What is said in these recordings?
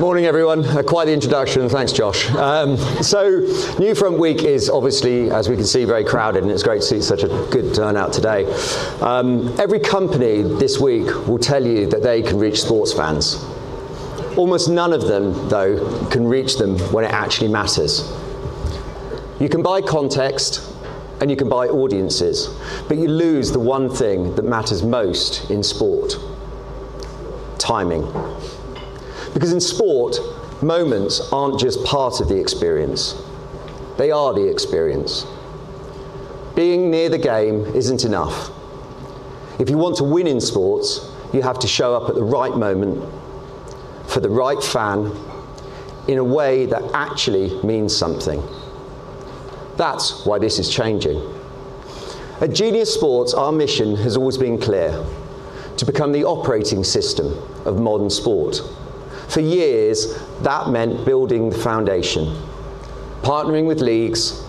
Morning, everyone. Quite the introduction. Thanks, Josh. NewFronts Week is obviously, as we can see, very crowded, and it's great to see such a good turnout today. Every company this week will tell you that they can reach sports fans. Almost none of them, though, can reach them when it actually matters. You can buy context and you can buy audiences, but you lose the one thing that matters most in sport: timing. Because in sport, moments aren't just part of the experience, they are the experience. Being near the game isn't enough. If you want to win in sports, you have to show up at the right moment, for the right fan, in a way that actually means something. That's why this is changing. At Genius Sports, our mission has always been clear: to become the operating system of modern sport. For years, that meant building the foundation, partnering with leagues,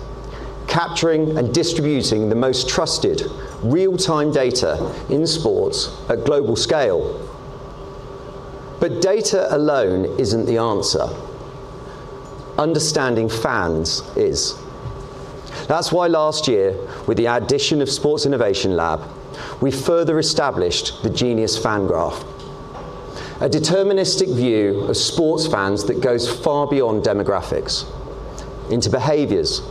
capturing and distributing the most trusted real-time data in sports at global scale. Data alone isn't the answer. Understanding fans is. That's why last year, with the addition of Sports Innovation Lab, we further established the Genius Fan Graph, a deterministic view of sports fans that goes far beyond demographics into behaviors,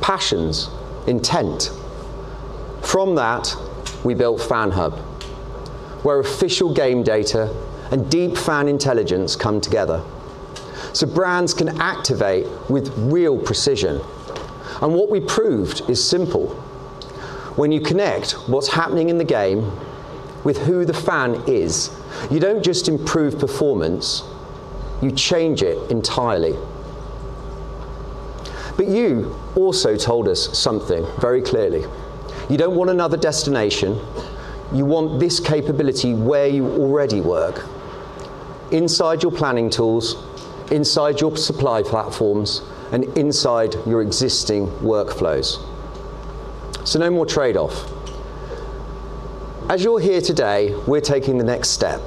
passions, intent. From that, we built FANHub, where official game data and deep fan intelligence come together so brands can activate with real precision. What we proved is simple. When you connect what's happening in the game with who the fan is, you don't just improve performance, you change it entirely. You also told us something very clearly. You don't want another destination. You want this capability where you already work, inside your planning tools, inside your supply platforms, and inside your existing workflows. No more trade-off. As you're here today, we're taking the next step.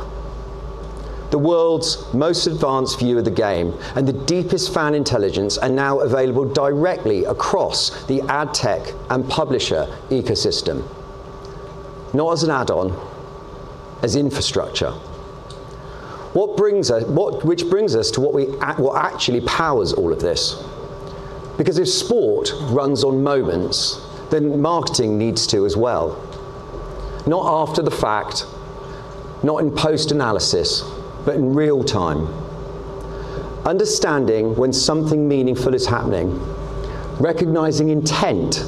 The world's most advanced view of the game and the deepest fan intelligence are now available directly across the ad tech and publisher ecosystem. Not as an add-on, as infrastructure. Which brings us to what actually powers all of this. Because if sport runs on moments, then marketing needs to as well. Not after the fact, not in post-analysis, but in real-time. Understanding when something meaningful is happening, recognizing intent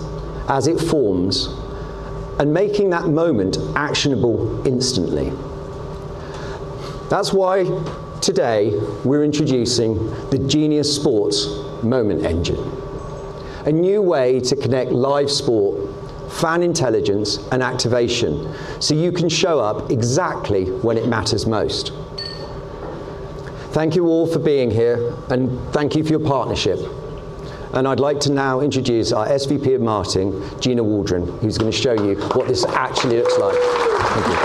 as it forms, and making that moment actionable instantly. That's why today we're introducing the Genius Sports Moment Engine, a new way to connect live sport, fan intelligence, and activation so you can show up exactly when it matters most. Thank you all for being here, and thank you for your partnership. I'd like to now introduce our SVP of Marketing, Gina Waldhorn, who's gonna show you what this actually looks like. Thank you.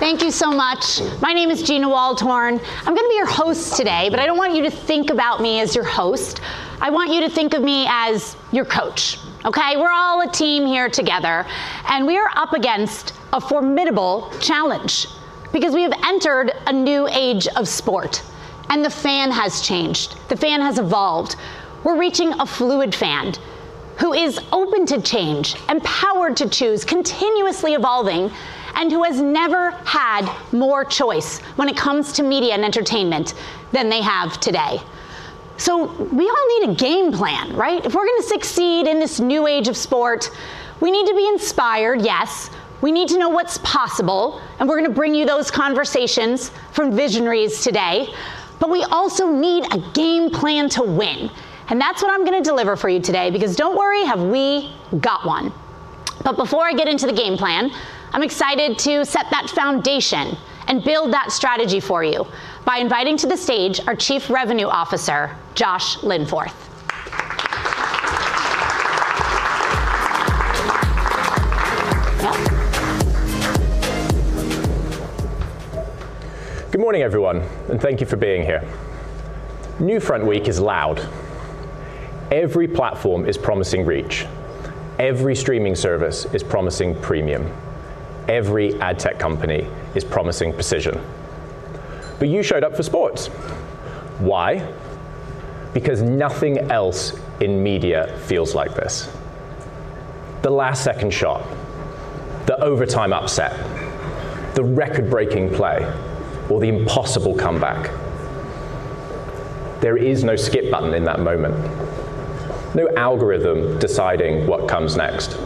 Thank you so much. My name is Gina Waldhorn. I'm gonna be your host today, but I don't want you to think about me as your host. I want you to think of me as your coach, okay? We're all a team here together, and we are up against a formidable challenge because we have entered a new age of sport and the fan has changed, the fan has evolved. We're reaching a fluid fan who is open to change, empowered to choose, continuously evolving, and who has never had more choice when it comes to media and entertainment than they have today. We all need a game plan, right? If we're gonna succeed in this new age of sport, we need to be inspired, yes. We need to know what's possible, and we're gonna bring you those conversations from visionaries today. We also need a game plan to win, and that's what I'm gonna deliver for you today because don't worry, have we got one. Before I get into the game plan, I'm excited to set that foundation and build that strategy for you by inviting to the stage our Chief Revenue Officer, Josh Linforth. Good morning, everyone, and thank you for being here. NewFront Week is loud. Every platform is promising reach. Every streaming service is promising premium. Every ad tech company is promising precision. You showed up for sports. Why? Because nothing else in media feels like this. The last-second shot, the overtime upset, the record-breaking play, or the impossible comeback. There is no skip button in that moment, no algorithm deciding what comes next,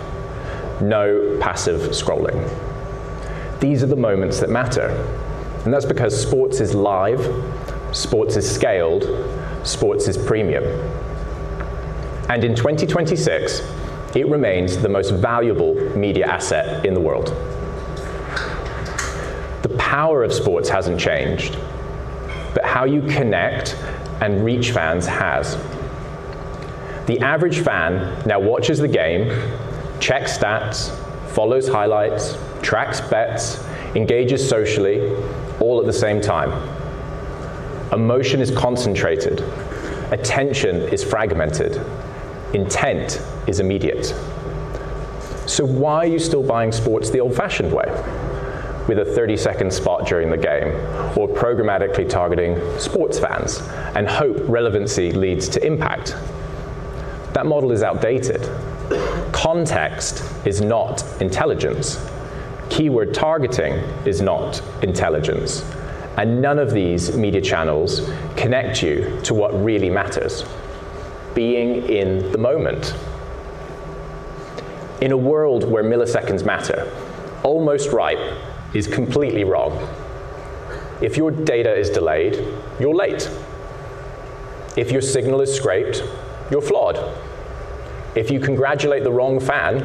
no passive scrolling. These are the moments that matter, and that's because sports is live, sports is scaled, sports is premium. In 2026, it remains the most valuable media asset in the world. The power of sports hasn't changed, but how you connect and reach fans has. The average fan now watches the game, checks stats, follows highlights, tracks bets, engages socially, all at the same time. Emotion is concentrated. Attention is fragmented. Intent is immediate. Why are you still buying sports the old-fashioned way with a 30-second spot during the game or programmatically targeting sports fans and hope relevancy leads to impact? That model is outdated. Context is not intelligence. Keyword targeting is not intelligence. None of these media channels connect you to what really matters, being in the moment. In a world where milliseconds matter, almost right is completely wrong. If your data is delayed, you're late. If your signal is scraped, you're flawed. If you congratulate the wrong fan,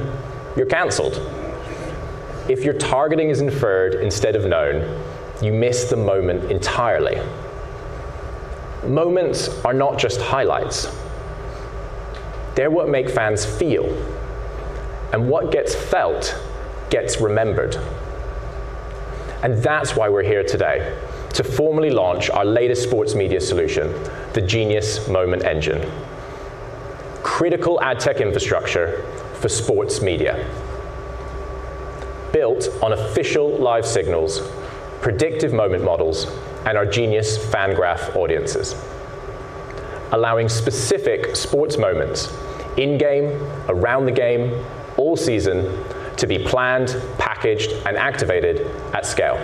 you're canceled. If your targeting is inferred instead of known, you miss the moment entirely. Moments are not just highlights. They're what make fans feel, and what gets felt gets remembered. That's why we're here today to formally launch our latest sports media solution, the Genius Moment Engine. Critical ad tech infrastructure for sports media. Built on official live signals, predictive moment models, and our Genius Fan Graph audiences, allowing specific sports moments in-game, around the game, all season to be planned, packaged, and activated at scale.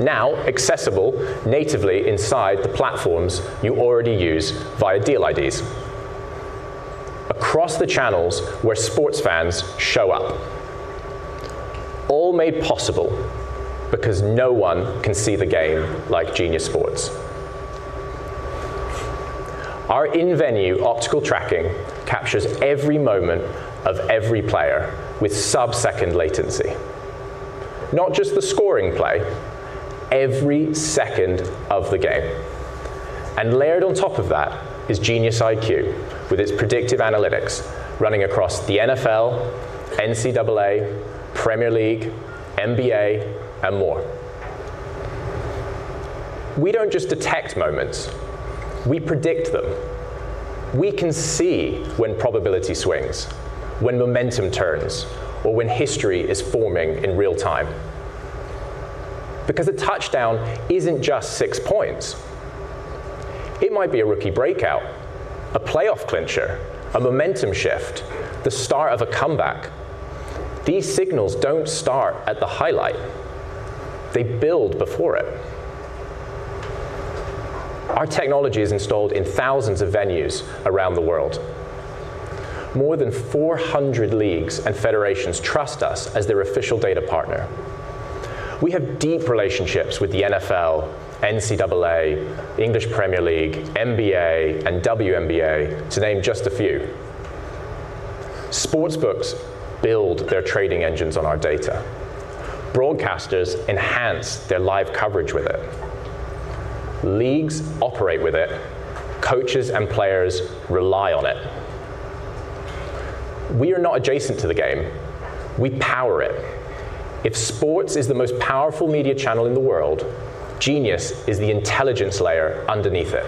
Now accessible natively inside the platforms you already use via deal IDs. Across the channels where sports fans show up. All made possible because no one can see the game like Genius Sports. Our in-venue optical tracking captures every moment of every player with sub-second latency. Not just the scoring play, every second of the game. Layered on top of that is GeniusIQ with its predictive analytics running across the NFL, NCAA, Premier League, NBA, and more. We don't just detect moments, we predict them. We can see when probability swings, when momentum turns, or when history is forming in real time. Because a touchdown isn't just six points. It might be a rookie breakout, a playoff clincher, a momentum shift, the start of a comeback. These signals don't start at the highlight. They build before it. Our technology is installed in thousands of venues around the world. More than 400 leagues and federations trust us as their official data partner. We have deep relationships with the NFL, NCAA, English Premier League, NBA, and WNBA, to name just a few. Sportsbooks build their trading engines on our data. Broadcasters enhance their live coverage with it. Leagues operate with it. Coaches and players rely on it. We are not adjacent to the game. We power it. If sports is the most powerful media channel in the world, Genius is the intelligence layer underneath it.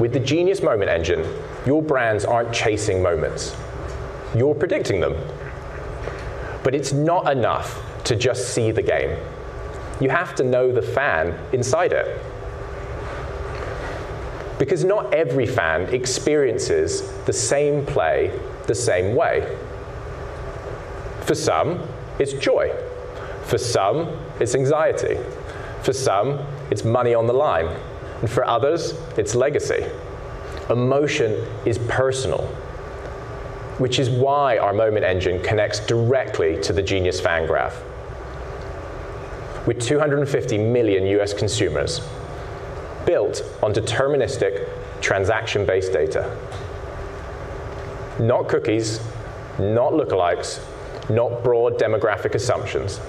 With the Genius Moment Engine, your brands aren't chasing moments. You're predicting them. But it's not enough to just see the game. You have to know the fan inside it. Because not every fan experiences the same play the same way. For some, it's joy. For some, it's anxiety. For some, it's money on the line, and for others, it's legacy. Emotion is personal, which is why our Moment Engine connects directly to the Genius Fan Graph. With 250 million U.S. consumers built on deterministic transaction-based data, not cookies, not lookalikes, not broad demographic assumptions,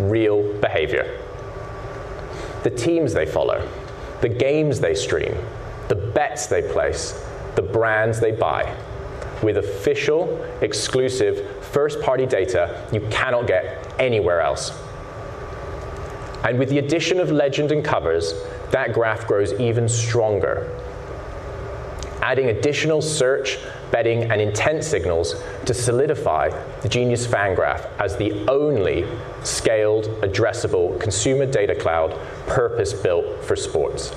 real behavior. The teams they follow, the games they stream, the bets they place, the brands they buy with official, exclusive, first-party data you cannot get anywhere else. With the addition of Legends and Covers, that graph grows even stronger, adding additional search, betting, and intent signals to solidify the Genius Fan Graph as the only scaled, addressable consumer data cloud purpose-built for sports.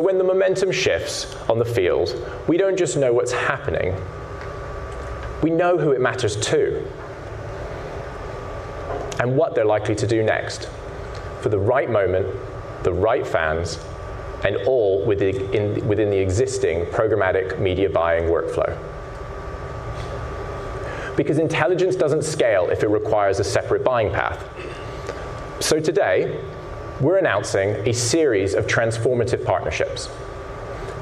When the momentum shifts on the field, we don't just know what's happening, we know who it matters to and what they're likely to do next for the right moment, the right fans, and all within the existing programmatic media buying workflow. Because intelligence doesn't scale if it requires a separate buying path. Today, we're announcing a series of transformative partnerships.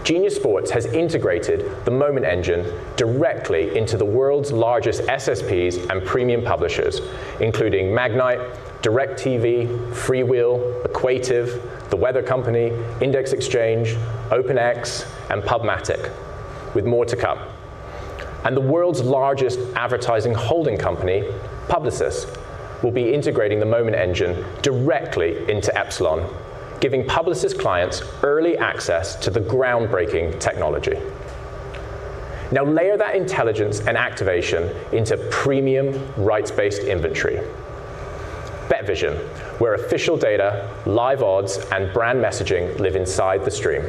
Genius Sports has integrated the Moment Engine directly into the world's largest SSPs and premium publishers, including Magnite, DIRECTV, FreeWheel, Equativ, The Weather Company, Index Exchange, OpenX, and PubMatic, with more to come. The world's largest advertising holding company, Publicis, will be integrating the Moment Engine directly into Epsilon, giving Publicis clients early access to the groundbreaking technology. Now layer that intelligence and activation into premium rights-based inventory. BetVision, where official data, live odds, and brand messaging live inside the stream.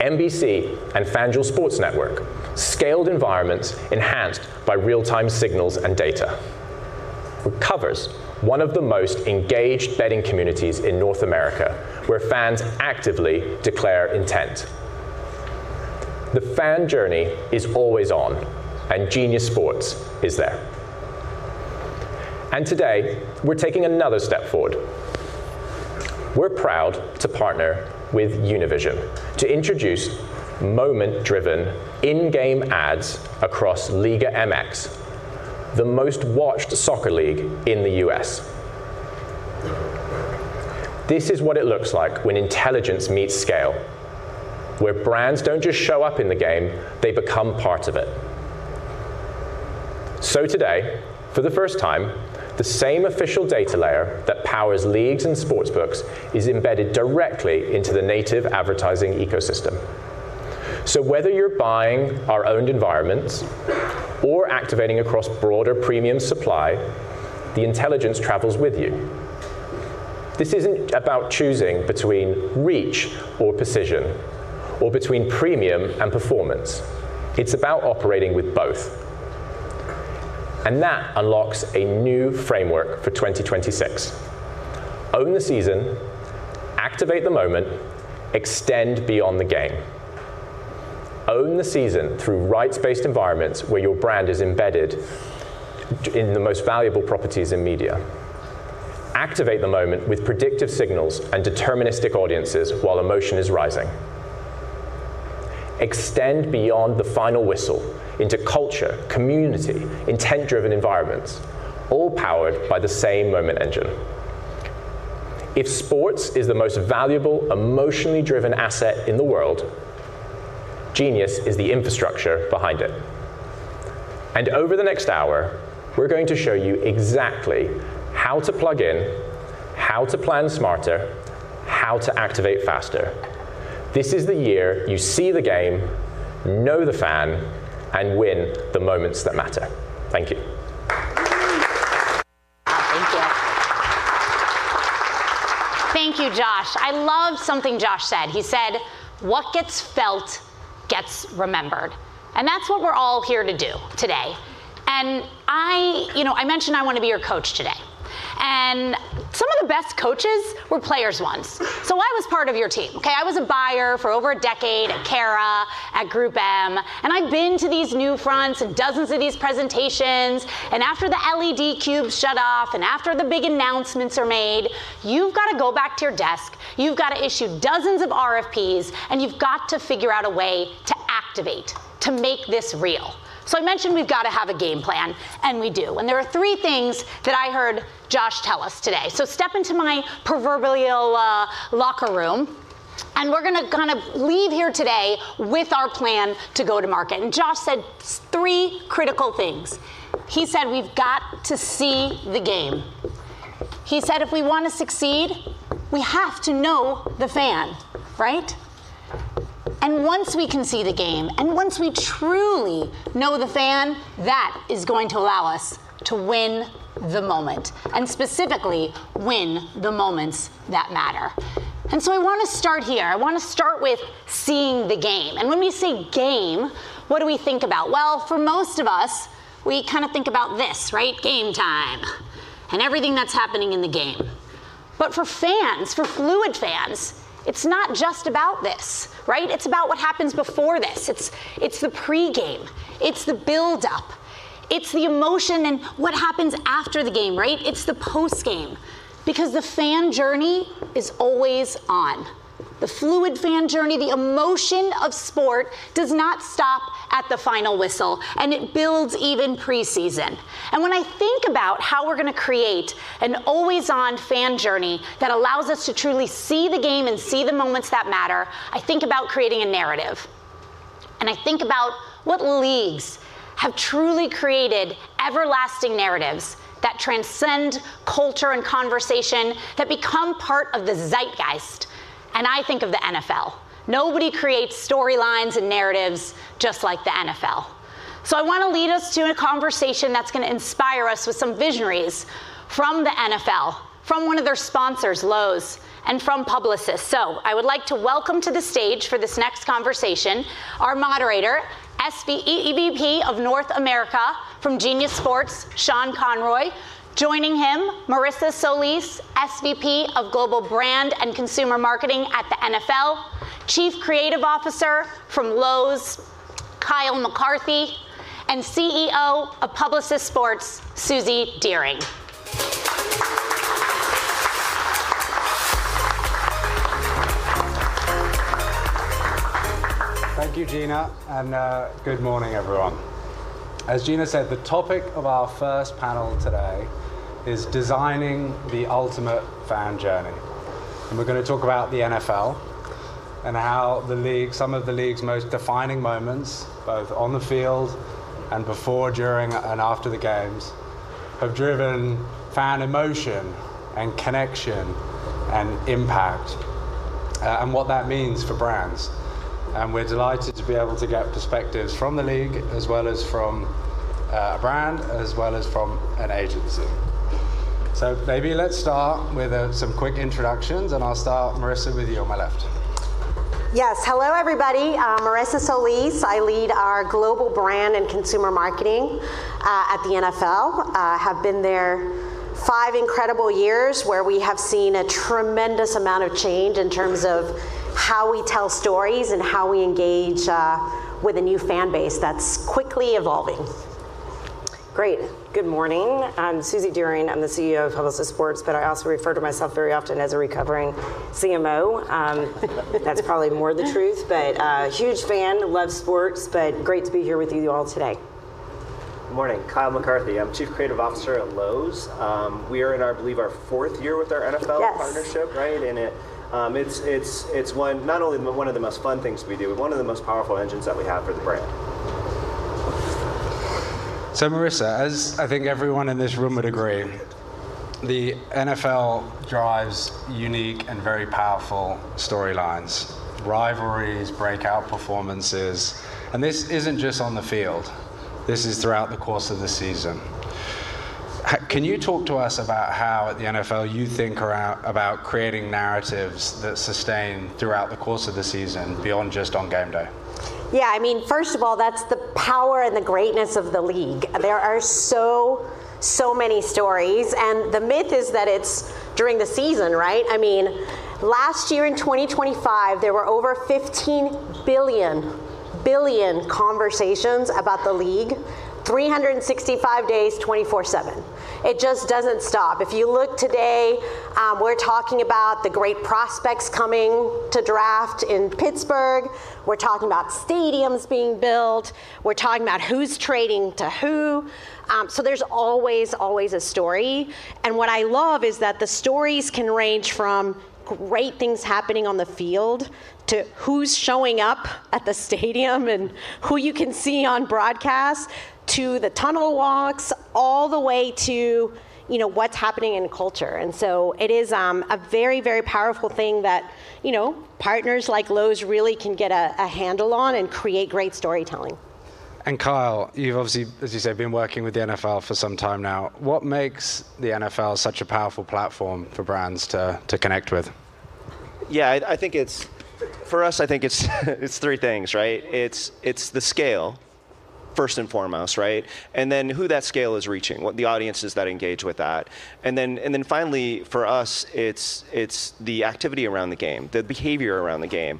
NBC and FanDuel Sports Network, scaled environments enhanced by real-time signals and data. Covers, one of the most engaged betting communities in North America, where fans actively declare intent. The fan journey is always on, and Genius Sports is there. Today, we're taking another step forward. We're proud to partner with Univision to introduce moment-driven in-game ads across Liga MX, the most-watched soccer league in the U.S. This is what it looks like when intelligence meets scale, where brands don't just show up in the game, they become part of it. Today, for the first time, the same official data layer that powers leagues and sportsbooks is embedded directly into the native advertising ecosystem. Whether you're buying our owned environments or activating across broader premium supply, the intelligence travels with you. This isn't about choosing between reach or precision or between premium and performance. It's about operating with both. That unlocks a new framework for 2026. Own the season, activate the moment, extend beyond the game. Own the season through rights-based environments where your brand is embedded in the most valuable properties in media. Activate the moment with predictive signals and deterministic audiences while emotion is rising. Extend beyond the final whistle into culture, community, intent-driven environments, all powered by the same Moment Engine. If sports is the most valuable, emotionally-driven asset in the world, Genius is the infrastructure behind it. Over the next hour, we're going to show you exactly how to plug in, how to plan smarter, how to activate faster. This is the year you see the game, know the fan, and win the moments that matter. Thank you. Thank you. Thank you, Josh. I love something Josh said. He said, "What gets felt gets remembered." That's what we're all here to do today. I, you know, I mentioned I want to be your coach today. Some of the best coaches were players once. I was part of your team, okay? I was a buyer for over a decade at Carat, at GroupM, and I've been to these NewFronts and dozens of these presentations. After the LED cube shut off and after the big announcements are made, you've got to go back to your desk, you've got to issue dozens of RFPs, and you've got to figure out a way to activate, to make this real. I mentioned we've got to have a game plan, and we do. There are three things that I heard Josh tell us today. Step into my proverbial locker room, and we're gonna kind of leave here today with our plan to go to market. Josh said three critical things. He said, we've got to see the game. He said, if we want to succeed, we have to know the fan, right? Once we can see the game, and once we truly know the fan, that is going to allow us to win the moment, and specifically win the moments that matter. I want to start here. I want to start with seeing the game. When we say game, what do we think about? Well, for most of us, we kind of think about this, right? Game time and everything that's happening in the game. For fans, for fluid fans, it's not just about this, right? It's about what happens before this. It's the pre-game, it's the build-up, it's the emotion and what happens after the game, right? It's the post-game because the fan journey is always on. The fluid fan journey, the emotion of sport does not stop at the final whistle, and it builds even pre-season. When I think about how we're gonna create an always-on fan journey that allows us to truly see the game and see the moments that matter, I think about creating a narrative. I think about what leagues have truly created everlasting narratives that transcend culture and conversation, that become part of the zeitgeist, and I think of the NFL. Nobody creates storylines and narratives just like the NFL. I want to lead us to a conversation that's going to inspire us with some visionaries from the NFL, from one of their sponsors, Lowe's, and from Publicis. I would like to welcome to the stage for this next conversation our moderator, EVP of North America from Genius Sports, Sean Conroy. Joining him, Marissa Solis, SVP of Global Brand and Consumer Marketing at the NFL, Chief Creative Officer from Lowe's, Kyle McCarthy, and CEO of Publicis Sports, Suzy Deering. Thank you, Gina, and good morning, everyone. As Gina said, the topic of our first panel today is Designing the Ultimate Fan Journey. We're gonna talk about the NFL and how the league, some of the league's most defining moments, both on the field and before, during, and after the games, have driven fan emotion and connection and impact, and what that means for brands. We're delighted to be able to get perspectives from the league, as well as from a brand, as well as from an agency. Maybe let's start with some quick introductions, and I'll start, Marissa, with you on my left. Yes. Hello, everybody. I'm Marissa Solis. I lead our Global Brand and Consumer Marketing at the NFL. I have been there five incredible years, where we have seen a tremendous amount of change in terms of how we tell stories and how we engage with a new fan base that's quickly evolving. Great. Good morning. I'm Suzy Deering. I'm the CEO of Publicis Sports, but I also refer to myself very often as a recovering CMO. That's probably more the truth. Huge fan, love sports, but great to be here with you all today. Good morning. Kyle McCarthy. I'm Chief Creative Officer at Lowe's. We are in our, I believe our fourth year with our NFL partnership, right? It’s not only one of the most fun things we do, but one of the most powerful engines that we have for the brand. Marissa, as I think everyone in this room would agree, the NFL drives unique and very powerful storylines, rivalries, breakout performances. This isn't just on the field. This is throughout the course of the season. Can you talk to us about how at the NFL you think about creating narratives that sustain throughout the course of the season beyond just on game day? Yeah, I mean, first of all, that's the power and the greatness of the league. There are so many stories, and the myth is that it's during the season, right? I mean, last year in 2025, there were over 15 billion conversations about the league, 365 days, 24/7. It just doesn't stop. If you look today, we're talking about the great prospects coming to draft in Pittsburgh. We're talking about stadiums being built. We're talking about who's trading to who. So there's always a story. What I love is that the stories can range from great things happening on the field to who's showing up at the stadium and who you can see on broadcast, to the tunnel walks, all the way to, you know, what's happening in culture. It is a very, very powerful thing that, you know, partners like Lowe's really can get a handle on and create great storytelling. Kyle, you've obviously, as you said, been working with the NFL for some time now. What makes the NFL such a powerful platform for brands to connect with? Yeah, I think for us it's three things, right? It's the scale first and foremost, right? Then who that scale is reaching, the audiences that engage with that. Then finally, for us, it's the activity around the game, the behavior around the game.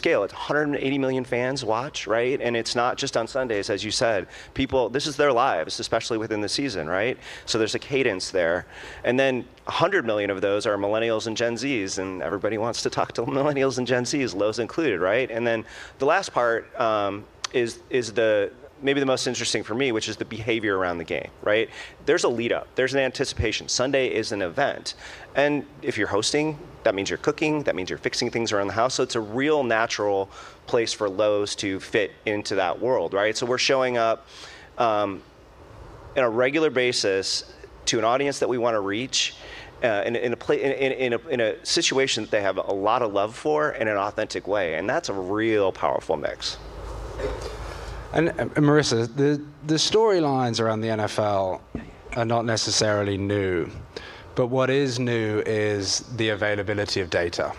Scale. 180 million fans watch, right? It's not just on Sundays, as you said. This is their lives, especially within the season, right? There's a cadence there. Then 100 million of those are Millennials and Gen Zs, and everybody wants to talk to Millennials and Gen Zs, Lowe's included, right? The last part is maybe the most interesting for me, which is the behavior around the game, right? There's a lead-up. There's an anticipation. Sunday is an event. If you're hosting, that means you're cooking. That means you're fixing things around the house. It's a real natural place for Lowe's to fit into that world, right? We're showing up on a regular basis to an audience that we wanna reach in a situation that they have a lot of love for in an authentic way. That's a real powerful mix. Marissa, the storylines around the NFL are not necessarily new, but what is new is the availability of data.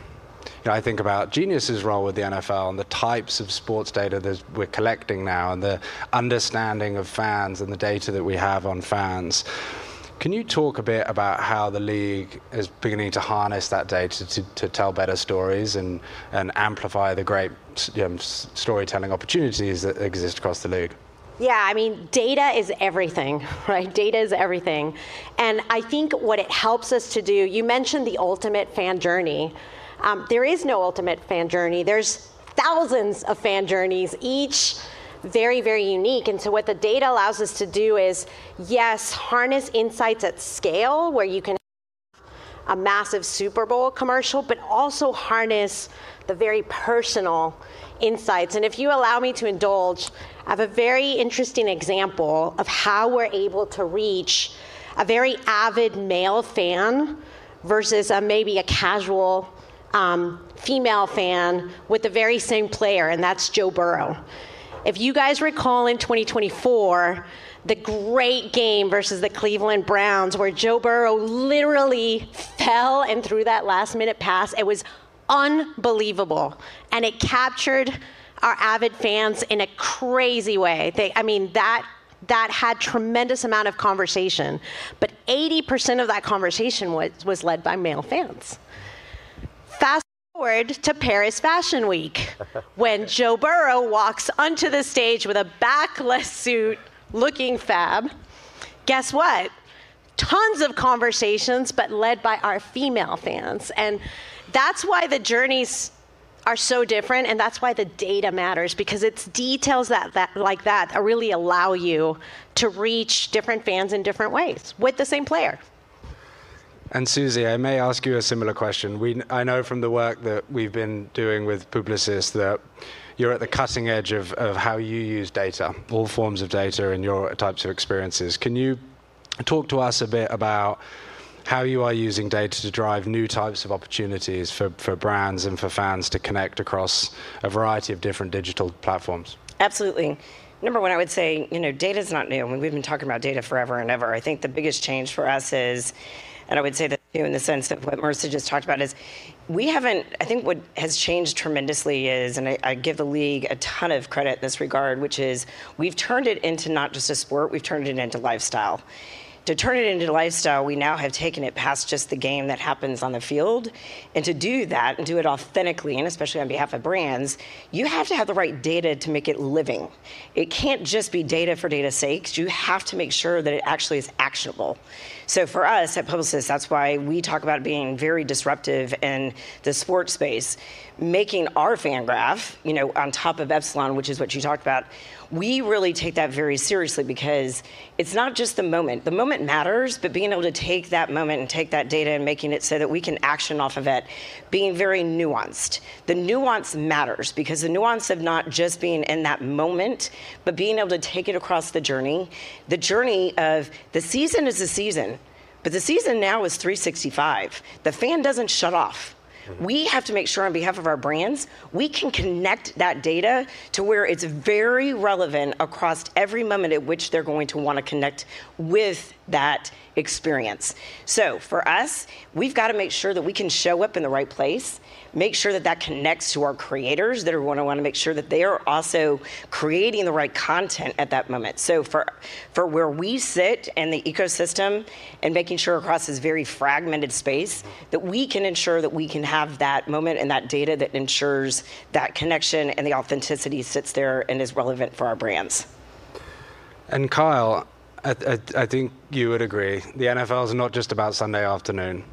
You know, I think about Genius's role with the NFL and the types of sports data that we're collecting now and the understanding of fans and the data that we have on fans. Can you talk a bit about how the league is beginning to harness that data to tell better stories and amplify the great storytelling opportunities that exist across the league? Yeah. I mean, data is everything, right? Data is everything. I think what it helps us to do. You mentioned the ultimate fan journey. There is no ultimate fan journey. There's thousands of fan journeys, each very, very unique. What the data allows us to do is, yes, harness insights at scale, where you can have a massive Super Bowl commercial, but also harness the very personal insights. If you allow me to indulge, I have a very interesting example of how we're able to reach a very avid male fan versus, maybe a casual, female fan with the very same player, and that's Joe Burrow. If you guys recall in 2024, the great game versus the Cleveland Browns, where Joe Burrow literally fell and threw that last-minute pass, it was unbelievable. It captured our avid fans in a crazy way. I mean, that had tremendous amount of conversation, but 80% of that conversation was led by male fans. Fast forward to Paris Fashion Week. When Joe Burrow walks onto the stage with a backless suit, looking fab. Guess what? Tons of conversations, but led by our female fans. That's why the journeys are so different, and that's why the data matters, because it's details that like that really allow you to reach different fans in different ways with the same player. Suzy, I may ask you a similar question. I know from the work that we've been doing with Publicis that you're at the cutting edge of how you use data, all forms of data in your types of experiences. Can you talk to us a bit about how you are using data to drive new types of opportunities for brands and for fans to connect across a variety of different digital platforms? Absolutely. Number one, I would say, you know, data's not new. We've been talking about data forever and ever. I think the biggest change for us is, and I would say that too in the sense of what Marissa just talked about is. I think what has changed tremendously is, and I give the league a ton of credit in this regard, which is we've turned it into not just a sport, we've turned it into lifestyle. To turn it into lifestyle, we now have taken it past just the game that happens on the field. To do that and do it authentically, and especially on behalf of brands, you have to have the right data to make it living. It can't just be data for data's sake. You have to make sure that it actually is actionable. For us at Publicis, that's why we talk about being very disruptive in the sports space, making our Fan Graph, you know, on top of Epsilon, which is what you talked about. We really take that very seriously because it's not just the moment. The moment matters, but being able to take that moment and take that data and making it so that we can action off of it, being very nuanced. The nuance matters because the nuance of not just being in that moment, but being able to take it across the journey, the journey of the season is a season, but the season now is 365. The fan doesn't shut off. We have to make sure on behalf of our brands, we can connect that data to where it's very relevant across every moment at which they're going to wanna connect with that experience. For us, we've gotta make sure that we can show up in the right place, make sure that that connects to our creators that are gonna wanna make sure that they are also creating the right content at that moment. For where we sit in the ecosystem and making sure across this very fragmented space, that we can ensure that we can have that moment and that data that ensures that connection, and the authenticity sits there and is relevant for our brands. Kyle, I think you would agree, the NFL is not just about Sunday afternoon.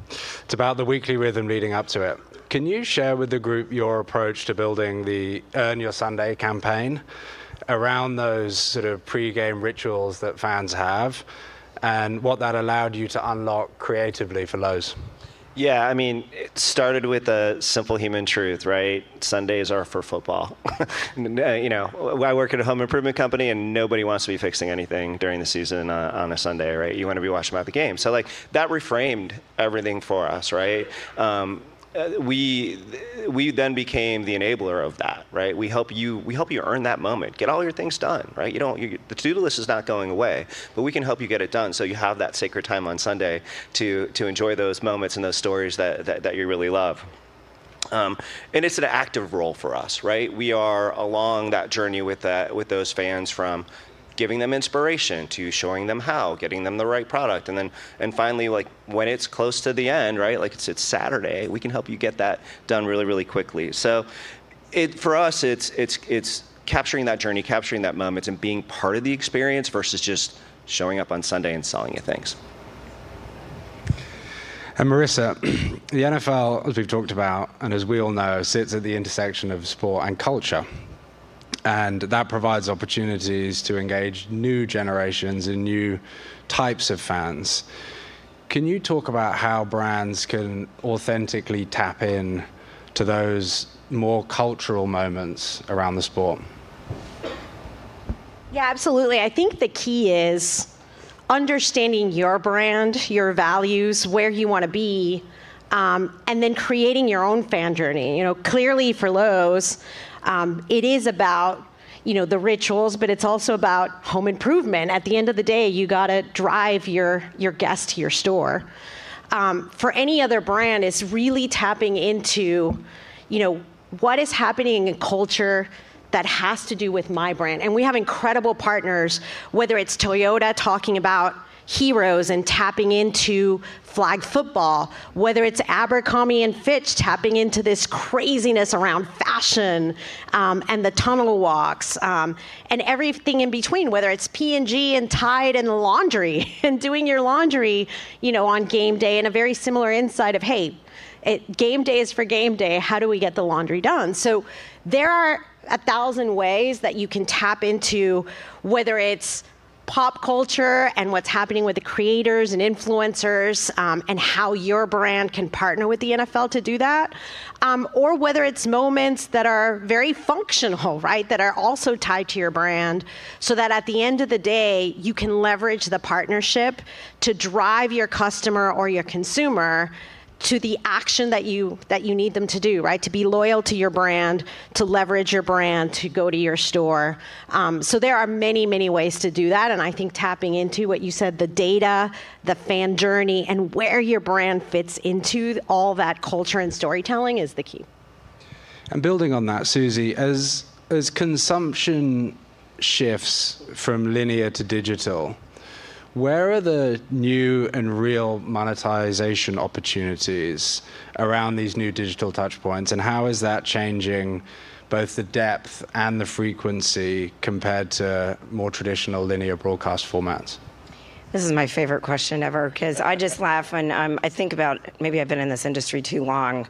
It's about the weekly rhythm leading up to it. Can you share with the group your approach to building the Earn Your Sunday campaign around those sort of pre-game rituals that fans have, and what that allowed you to unlock creatively for Lowe's? Yeah, I mean, it started with a simple human truth, right? Sundays are for football. You know, I work at a home improvement company, and nobody wants to be fixing anything during the season on a Sunday, right? You wanna be watching about the game. Like, that reframed everything for us, right? We then became the enabler of that, right? We help you earn that moment. Get all your things done, right? The to-do list is not going away, but we can help you get it done, so you have that sacred time on Sunday to enjoy those moments and those stories that you really love. It's an active role for us, right? We are along that journey with those fans from giving them inspiration to showing them how, getting them the right product. Then, finally, like, when it's close to the end, right, like it's Saturday, we can help you get that done really quickly. For us, it's capturing that journey, capturing that moment, and being part of the experience versus just showing up on Sunday and selling you things. Marissa, the NFL, as we've talked about and as we all know, sits at the intersection of sport and culture, and that provides opportunities to engage new generations and new types of fans. Can you talk about how brands can authentically tap in to those more cultural moments around the sport? Yeah, absolutely. I think the key is understanding your brand, your values, where you wanna be, and then creating your own fan journey. You know, clearly for Lowe's, it is about, you know, the rituals, but it's also about home improvement. At the end of the day, you gotta drive your guest to your store. For any other brand, it's really tapping into, you know, what is happening in culture that has to do with my brand. We have incredible partners, whether it's Toyota talking about heroes and tapping into flag football, whether it's Abercrombie & Fitch tapping into this craziness around fashion, and the tunnel walks, and everything in between, whether it's P&G and Tide and laundry and doing your laundry, you know, on game day in a very similar insight of, "Hey, game day is for game day. How do we get the laundry done?" There are 1,000 ways that you can tap into, whether it's pop culture and what's happening with the creators and influencers, and how your brand can partner with the NFL to do that, or whether it's moments that are very functional, right, that are also tied to your brand, so that at the end of the day, you can leverage the partnership to drive your customer or your consumer to the action that you need them to do, right? To be loyal to your brand, to leverage your brand, to go to your store. There are many, many ways to do that, and I think tapping into what you said, the data, the fan journey, and where your brand fits into all that culture and storytelling is the key. Building on that, Suzy, as consumption shifts from linear to digital, where are the new and real monetization opportunities around these new digital touch points, and how is that changing both the depth and the frequency compared to more traditional linear broadcast formats? This is my favorite question ever 'cause I just laugh when I think about maybe I've been in this industry too long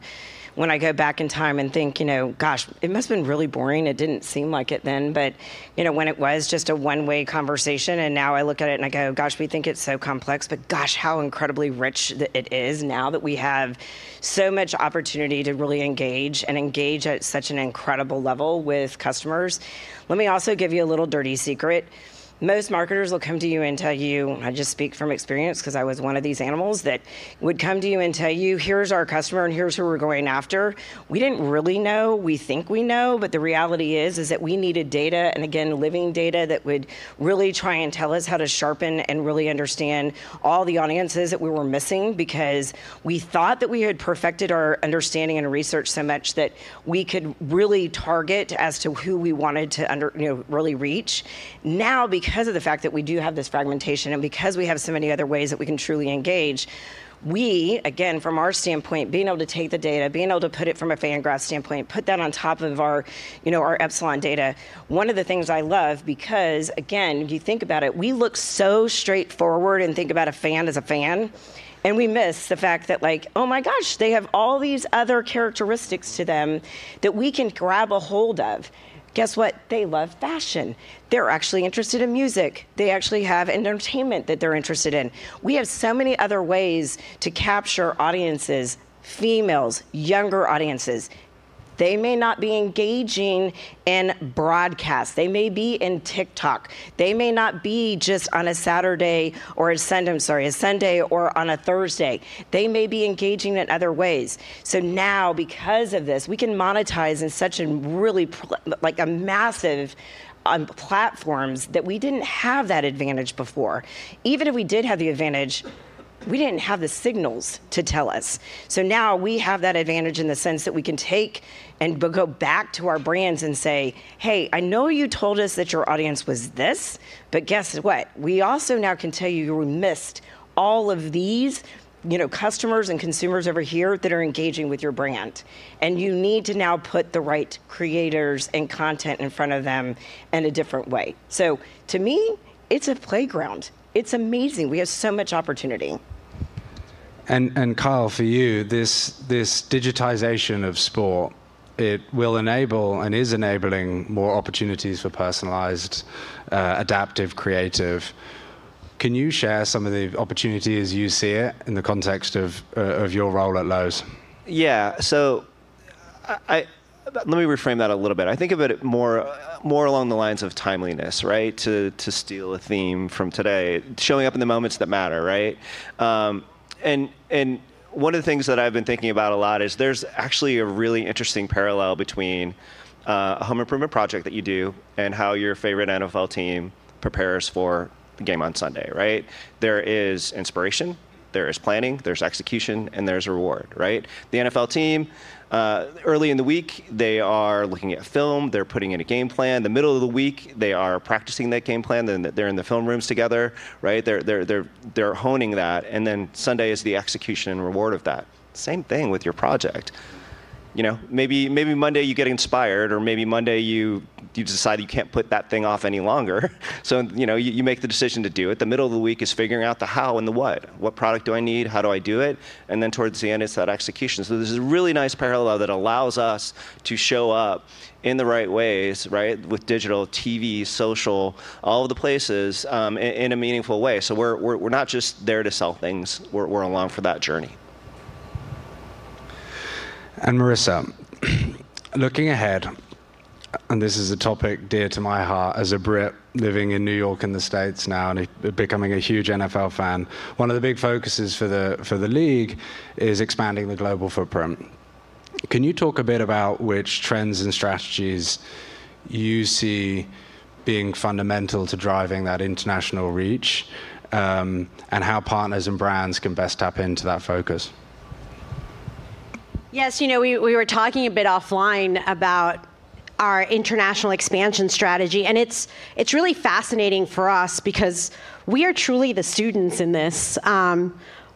when I go back in time and think, you know, gosh, it must have been really boring. It didn't seem like it then, but you know, when it was just a one-way conversation, and now I look at it and I go, gosh, we think it's so complex, but gosh, how incredibly rich it is now that we have so much opportunity to really engage and engage at such an incredible level with customers. Let me also give you a little dirty secret. Most marketers will come to you and tell you, I just speak from experience 'cause I was one of these animals that would come to you and tell you, "Here's our customer, and here's who we're going after." We didn't really know. We think we know, but the reality is that we needed data, and again, living data that would really try and tell us how to sharpen and really understand all the audiences that we were missing because we thought that we had perfected our understanding and research so much that we could really target as to who we wanted to, you know, really reach. Now, because of the fact that we do have this fragmentation and because we have so many other ways that we can truly engage, we, again, from our standpoint, being able to take the data, being able to put it from a Fan Graph standpoint, put that on top of our, you know, our Epsilon data, one of the things I love because, again, if you think about it, we look so straightforward and think about a fan as a fan, and we miss the fact that like, oh my gosh, they have all these other characteristics to them that we can grab a hold of. Guess what? They love fashion. They're actually interested in music. They actually have entertainment that they're interested in. We have so many other ways to capture audiences, females, younger audiences. They may not be engaging in broadcast. They may be in TikTok. They may not be just on a Saturday or a Sunday or on a Thursday. They may be engaging in other ways. Now because of this, we can monetize in such a really play, like a massive one on platforms that we didn't have that advantage before. Even if we did have the advantage, we didn't have the signals to tell us. Now we have that advantage in the sense that we can take and go back to our brands and say, "Hey, I know you told us that your audience was this, but guess what? We also now can tell you missed all of these, you know, customers and consumers over here that are engaging with your brand. And you need to now put the right creators and content in front of them in a different way." To me, it's a playground. It's amazing. We have so much opportunity. Kyle, for you, this digitization of sport, it will enable and is enabling more opportunities for personalized, adaptive creative. Can you share some of the opportunities you see it in the context of your role at Lowe's? Let me reframe that a little bit. I think of it more along the lines of timeliness, right? To steal a theme from today, showing up in the moments that matter, right? One of the things that I've been thinking about a lot is there's actually a really interesting parallel between a home improvement project that you do and how your favorite NFL team prepares for the game on Sunday, right? There is inspiration, there is planning, there's execution, and there's reward, right? The NFL team early in the week, they are looking at film, they're putting in a game plan. The middle of the week, they are practicing that game plan, then they're in the film rooms together, right? They're honing that. Sunday is the execution and reward of that. Same thing with your project. You know, maybe Monday you get inspired or maybe Monday you decide you can't put that thing off any longer. You know, you make the decision to do it. The middle of the week is figuring out the how and the what. What product do I need? How do I do it? Then towards the end, it's that execution. There's a really nice parallel that allows us to show up in the right ways, right, with digital, TV, social, all of the places in a meaningful way. We're not just there to sell things. We're along for that journey. Marissa, looking ahead, this is a topic dear to my heart as a Brit living in New York in the States now and becoming a huge NFL fan. One of the big focuses for the league is expanding the global footprint. Can you talk a bit about which trends and strategies you see being fundamental to driving that international reach, and how partners and brands can best tap into that focus? Yes. You know, we were talking a bit offline about our international expansion strategy, and it's really fascinating for us because we are truly the students in this.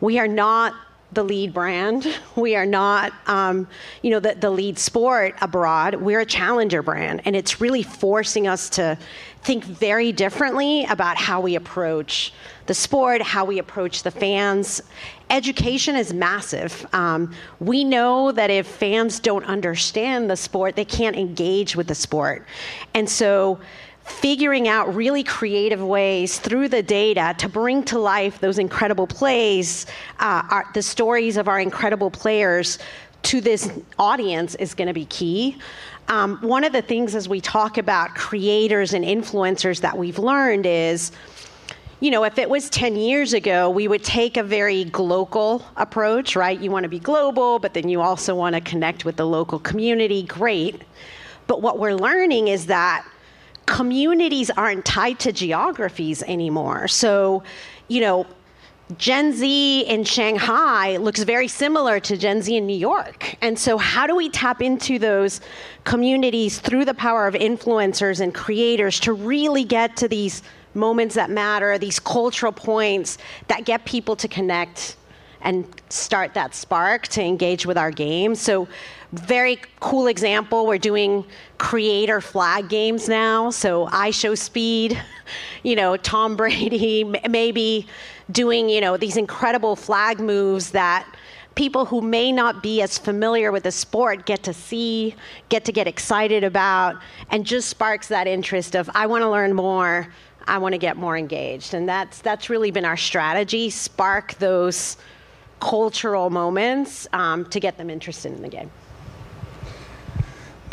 We are not the lead brand. We are not the lead sport abroad. We're a challenger brand, and it's really forcing us to think very differently about how we approach the sport, how we approach the fans. Education is massive. We know that if fans don't understand the sport, they can't engage with the sport. Figuring out really creative ways through the data to bring to life those incredible plays, the stories of our incredible players to this audience is gonna be key. One of the things as we talk about creators and influencers that we've learned is, you know, if it was 10 years ago, we would take a very glocal approach, right? You wanna be global, but then you also wanna connect with the local community, great. What we're learning is that communities aren't tied to geographies anymore. You know, Gen Z in Shanghai looks very similar to Gen Z in New York. How do we tap into those communities through the power of influencers and creators to really get to these moments that matter, these cultural points that get people to connect and start that spark to engage with our game? Very cool example, we're doing creator flag games now. IShowSpeed, you know, Tom Brady maybe doing, you know, these incredible flag moves that people who may not be as familiar with the sport get to see, get excited about, and just sparks that interest of, I want to learn more. I want to get more engaged. That's really been our strategy, spark those cultural moments to get them interested in the game.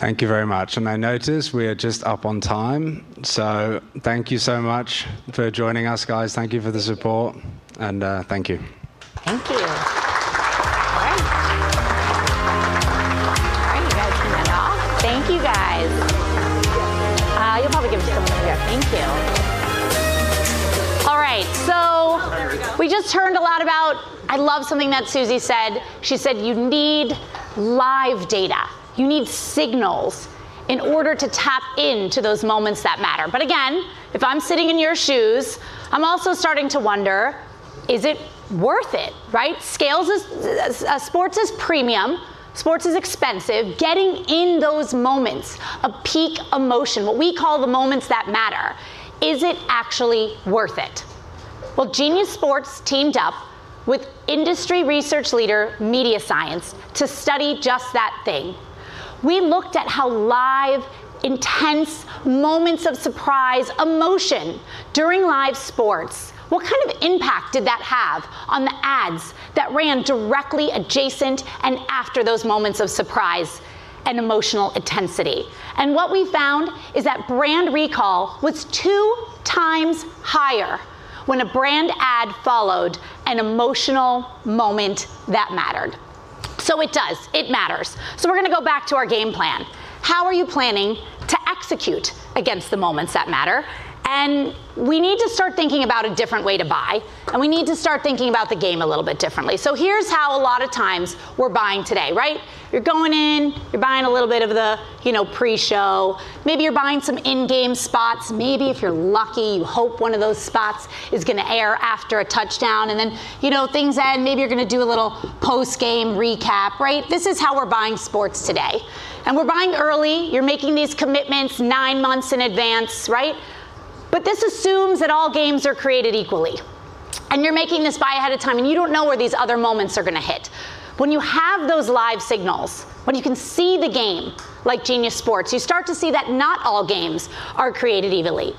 Thank you very much. I notice we are just up on time. Thank you so much for joining us, guys. Thank you for the support, and thank you. Thank you. All right, you guys turn that off. Thank you, guys. You'll probably give us some more. Thank you. All right, we just heard a lot about. I love something that Suzy said. She said, "You need live data. You need signals in order to tap into those moments that matter." Again, if I'm sitting in your shoes, I'm also starting to wonder, is it worth it, right? Sports is premium. Sports is expensive. Getting in those moments of peak emotion, what we call the moments that matter, is it actually worth it? Well, Genius Sports teamed up with industry research leader, Media Science, to study just that thing. We looked at how live, intense moments of surprise, emotion during live sports, what kind of impact did that have on the ads that ran directly adjacent and after those moments of surprise and emotional intensity? What we found is that brand recall was 2x higher when a brand ad followed an emotional moment that mattered. It does. It matters. We're gonna go back to our game plan. How are you planning to execute against the moments that matter? We need to start thinking about a different way to buy, and we need to start thinking about the game a little bit differently. Here's how a lot of times we're buying today, right? You're going in, you're buying a little bit of the, you know, pre-show. Maybe you're buying some in-game spots. Maybe if you're lucky, you hope one of those spots is gonna air after a touchdown. You know, things end, maybe you're gonna do a little post-game recap, right? This is how we're buying sports today. We're buying early. You're making these commitments nine months in advance, right? This assumes that all games are created equally, and you're making this buy ahead of time, and you don't know where these other moments are gonna hit. When you have those live signals, when you can see the game like Genius Sports, you start to see that not all games are created evenly.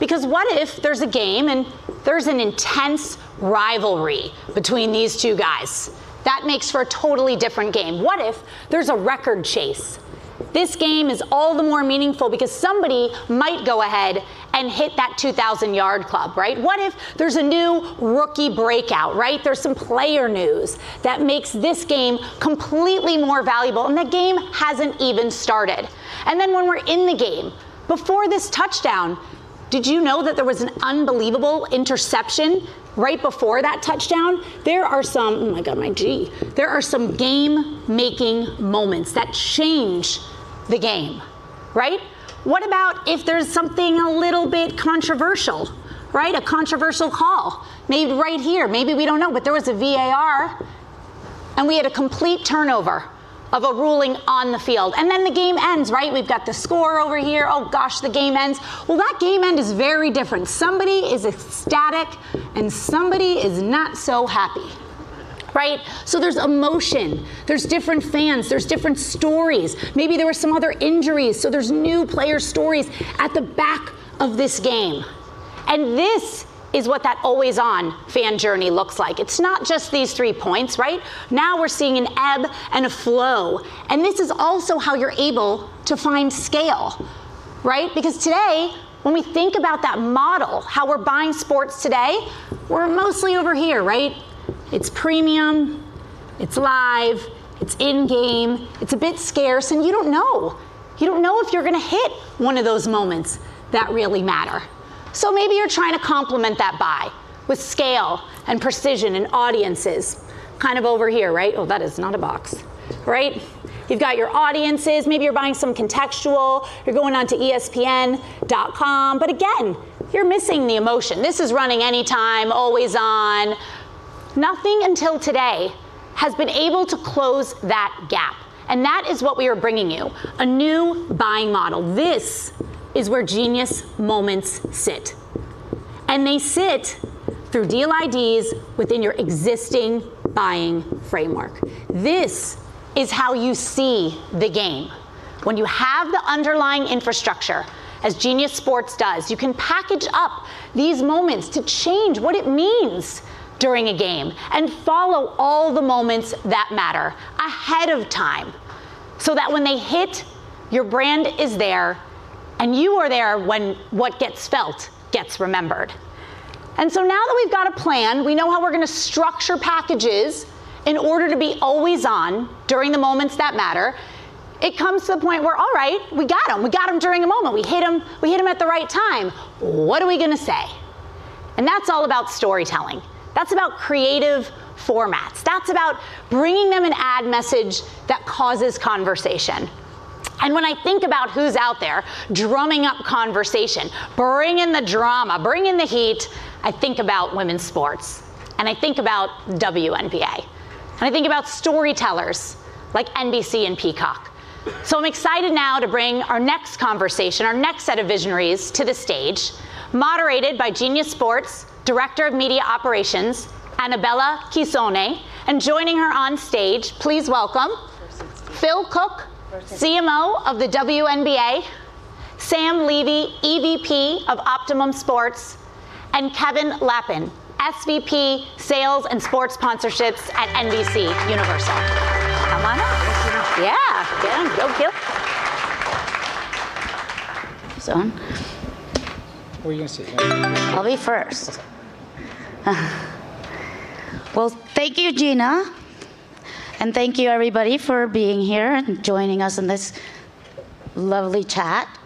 Because what if there's a game and there's an intense rivalry between these two guys? That makes for a totally different game. What if there's a record chase? This game is all the more meaningful because somebody might go ahead and hit that 2,000-yard club, right? What if there's a new rookie breakout, right? There's some player news that makes this game completely more valuable, and the game hasn't even started. When we're in the game, before this touchdown, did you know that there was an unbelievable interception right before that touchdown? Oh my God, my G. There are some game-making moments that change the game, right? What about if there's something a little bit controversial, right? A controversial call. Maybe right here. Maybe we don't know, but there was a VAR, and we had a complete turnover of a ruling on the field. The game ends, right? We've got the score over here. Oh gosh, the game ends. Well, that game end is very different. Somebody is ecstatic and somebody is not so happy, right? There's emotion, there's different fans, there's different stories. Maybe there were some other injuries, so there's new player stories at the back of this game. This is what that always-on fan journey looks like. It's not just these three points, right? Now we're seeing an ebb and a flow, and this is also how you're able to find scale, right? Because today, when we think about that model, how we're buying sports today, we're mostly over here, right? It's premium, it's live, it's in-game, it's a bit scarce, and you don't know. You don't know if you're gonna hit one of those moments that really matter. Maybe you're trying to complement that buy with scale and precision and audiences kind of over here, right? Oh, that is not a box. Right? You've got your audiences. Maybe you're buying some contextual. You're going onto espn.com. Again, you're missing the emotion. This is running anytime, always on. Nothing until today has been able to close that gap, and that is what we are bringing you, a new buying model. This is where Genius Moments sit, and they sit through deal IDs within your existing buying framework. This is how you see the game. When you have the underlying infrastructure, as Genius Sports does, you can package up these moments to change what it means during a game and follow all the moments that matter ahead of time, so that when they hit, your brand is there and you are there when what gets felt gets remembered. Now that we've got a plan, we know how we're gonna structure packages in order to be always on during the moments that matter, it comes to the point where all right, we got 'em during a moment. We hit 'em at the right time. What are we gonna say? That's all about storytelling. That's about creative formats. That's about bringing them an ad message that causes conversation. When I think about who's out there drumming up conversation, bringing the drama, bringing the heat, I think about women's sports, and I think about WNBA. I think about storytellers like NBC and Peacock. I'm excited now to bring our next conversation, our next set of visionaries to the stage, moderated by Genius Sports Director of Media Operations, Anabella Chiossone. Joining her on stage, please welcome Phil Cook, CMO of the WNBA, Sam Levy, EVP of Optimum Sports, and Kevin Lappen, SVP Sales and Sports Sponsorships at NBCUniversal. Come on up. Thank you. Yeah. Get 'em. Go get 'em. Is this on? Where are you gonna sit? I'll be first. Well, thank you, Gina. Thank you everybody for being here and joining us on this lovely chat.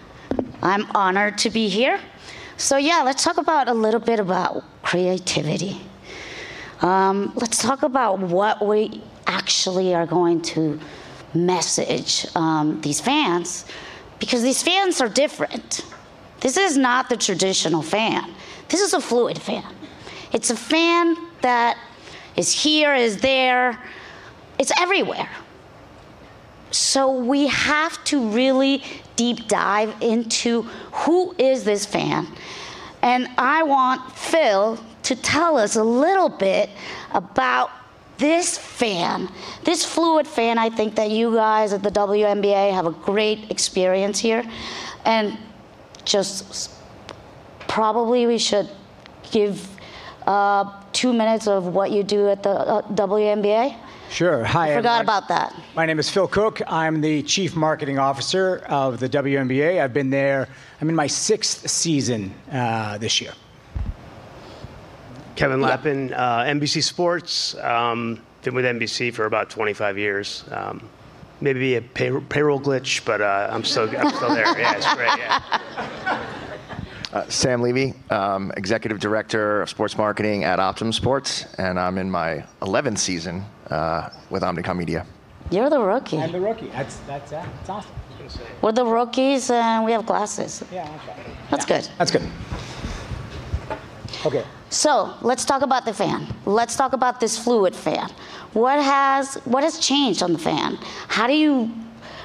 I'm honored to be here. Yeah, let's talk about a little bit about creativity. Let's talk about what we actually are going to message these fans, because these fans are different. This is not the traditional fan. This is a fluid fan. It's a fan that is here, is there, it's everywhere. We have to really deep dive into who is this fan, and I want Phil to tell us a little bit about this fan, this fluid fan I think that you guys at the WNBA have a great experience here. Probably we should give two minutes of what you do at the WNBA. Sure. Hi, everyone. I forgot about that. My name is Phil Cook. I'm the Chief Marketing Officer of the WNBA. I've been there. I'm in my sixth season this year. Kevin Lappen. NBC Sports. I've been with NBC for about 25 years. Maybe a payroll glitch, but I'm still there. Yeah, it's great. Yeah. Sam Levy, Executive Director of Sports Marketing at Optimum Sports, and I'm in my 11th season with Omnicom Media. You're the rookie. I'm the rookie. That's it's awesome. I was gonna say-- We're the rookies, and we have glasses. Yeah. Okay. That's good. That's good. Okay. Let's talk about the fan. Let's talk about this fluid fan. What has changed on the fan? How do you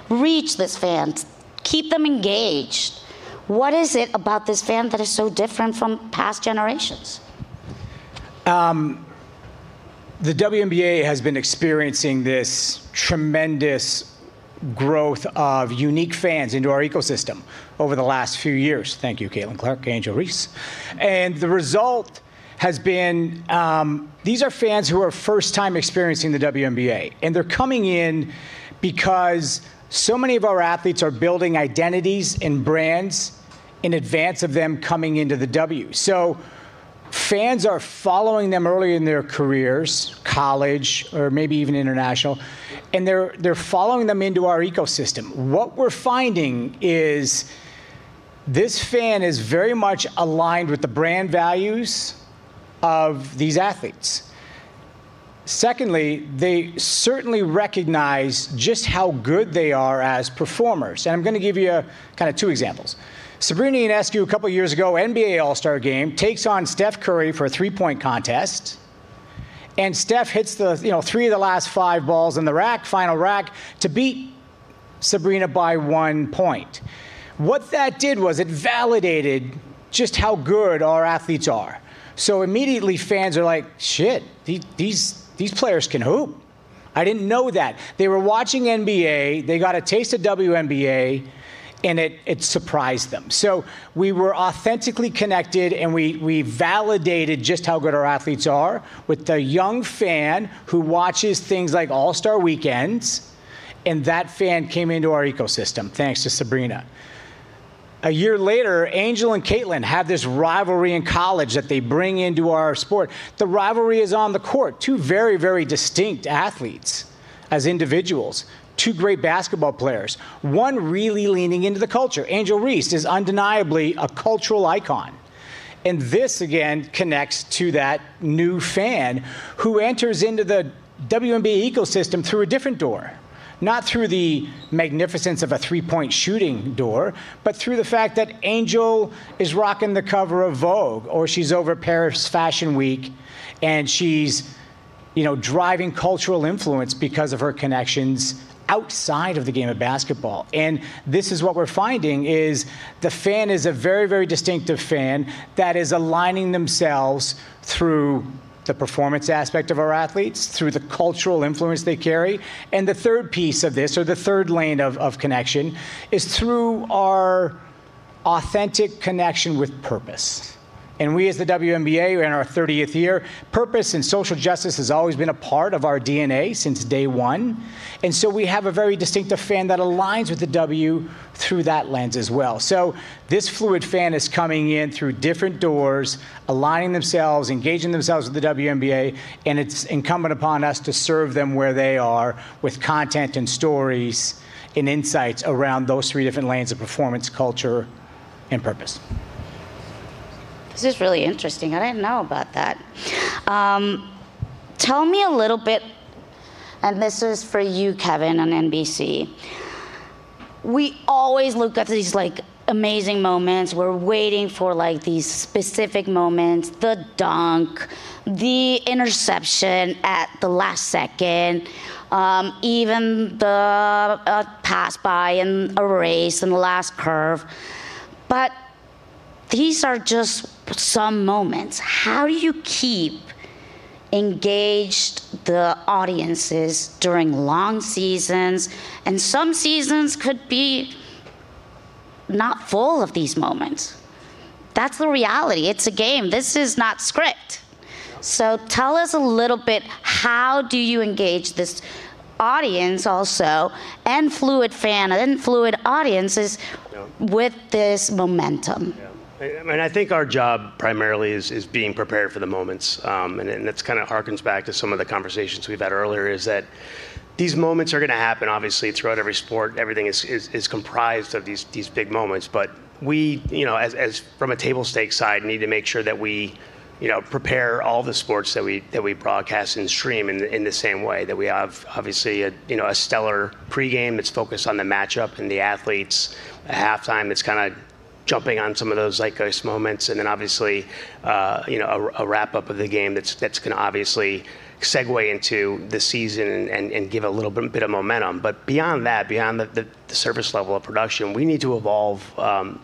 reach this fan to keep them engaged? What is it about this fan that is so different from past generations? The WNBA has been experiencing this tremendous growth of unique fans into our ecosystem over the last few years. Thank you Caitlin Clark, Angel Reese. The result has been, these are fans who are first time experiencing the WNBA, and they're coming in because so many of our athletes are building identities and brands in advance of them coming into the W. Fans are following them early in their careers, college, or maybe even international, and they're following them into our ecosystem. What we're finding is this fan is very much aligned with the brand values of these athletes. Secondly, they certainly recognize just how good they are as performers, and I'm gonna give you, kinda two examples. Sabrina Ionescu a couple years ago, NBA All-Star Game takes on Steph Curry for a three-point contest, and Steph hits the, you know, three of the last five balls in the rack, final rack to beat Sabrina by one point. What that did was it validated just how good our athletes are. Immediately fans are like, "Shit, these players can hoop. I didn't know that." They were watching NBA, they got a taste of WNBA, and it surprised them. We were authentically connected, and we validated just how good our athletes are with a young fan who watches things like All-Star weekends, and that fan came into our ecosystem thanks to Sabrina. A year later, Angel and Caitlin have this rivalry in college that they bring into our sport. The rivalry is on the court. Two very, very distinct athletes as individuals. Two great basketball players. One really leaning into the culture. Angel Reese is undeniably a cultural icon, and this again connects to that new fan who enters into the WNBA ecosystem through a different door. Not through the magnificence of a three-point shooting door, but through the fact that Angel is rocking the cover of Vogue, or she's over at Paris Fashion Week and she's, you know, driving cultural influence because of her connections outside of the game of basketball. This is what we're finding is the fan is a very, very distinctive fan that is aligning themselves through the performance aspect of our athletes, through the cultural influence they carry, and the third piece of this or the third lane of connection is through our-- Authentic connection with purpose. We as the WNBA, we're in our 30th year, purpose and social justice has always been a part of our DNA since day one, and so we have a very distinctive fan that aligns with the W through that lens as well. This fluid fan is coming in through different doors, aligning themselves, engaging themselves with the WNBA, and it's incumbent upon us to serve them where they are with content and stories and insights around those three different lanes of performance, culture, and purpose. This is really interesting. I didn't know about that. Tell me a little bit. This is for you, Kevin on NBC. We always look up to these like amazing moments. We're waiting for like these specific moments, the dunk, the interception at the last second, even the pass by in a race in the last curve. These are just some moments. How do you keep engaged the audiences during long seasons? Some seasons could be not full of these moments. That's the reality. It's a game. This is not script. Tell us a little bit, how do you engage this audience also, and fluid fan and fluid audiences with this momentum? Yeah. I mean, I think our job primarily is being prepared for the moments. It's kinda harkens back to some of the conversations we've had earlier, is that these moments are gonna happen obviously throughout every sport. Everything is comprised of these big moments. We, you know, as from a table stake side, need to make sure that we, you know, prepare all the sports that we broadcast and stream in the same way that we have obviously a, you know, a stellar pre-game that's focused on the matchup and the athletes. At halftime, it's kinda jumping on some of those zeitgeist moments. Obviously, you know, a wrap up of the game that's gonna obviously segue into the season and give a little bit of momentum. Beyond that, beyond the surface level of production, we need to evolve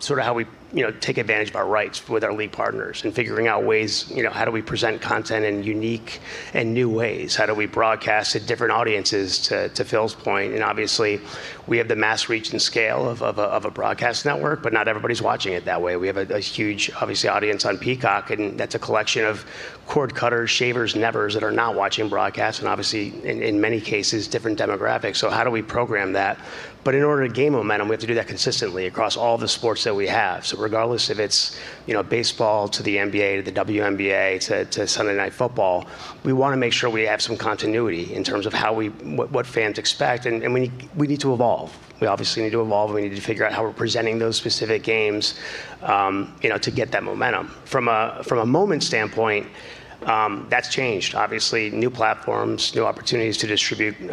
sort of how we, you know, take advantage of our rights with our league partners and figuring out ways, you know, how do we present content in unique and new ways? How do we broadcast to different audiences, to Phil's point? Obviously we have the mass reach and scale of a broadcast network, but not everybody's watching it that way. We have a huge, obviously, audience on Peacock, and that's a collection of cord cutters, shavers, nevers that are not watching broadcast, and obviously in many cases, different demographics. How do we program that? In order to gain momentum, we have to do that consistently across all the sports that we have. Regardless if it's, you know, baseball to the NBA, to the WNBA, to Sunday Night Football, we wanna make sure we have some continuity in terms of how we what fans expect and we need to evolve. We obviously need to evolve and we need to figure out how we're presenting those specific games, you know, to get that momentum. From a moment standpoint, that's changed. Obviously, new platforms, new opportunities to distribute, you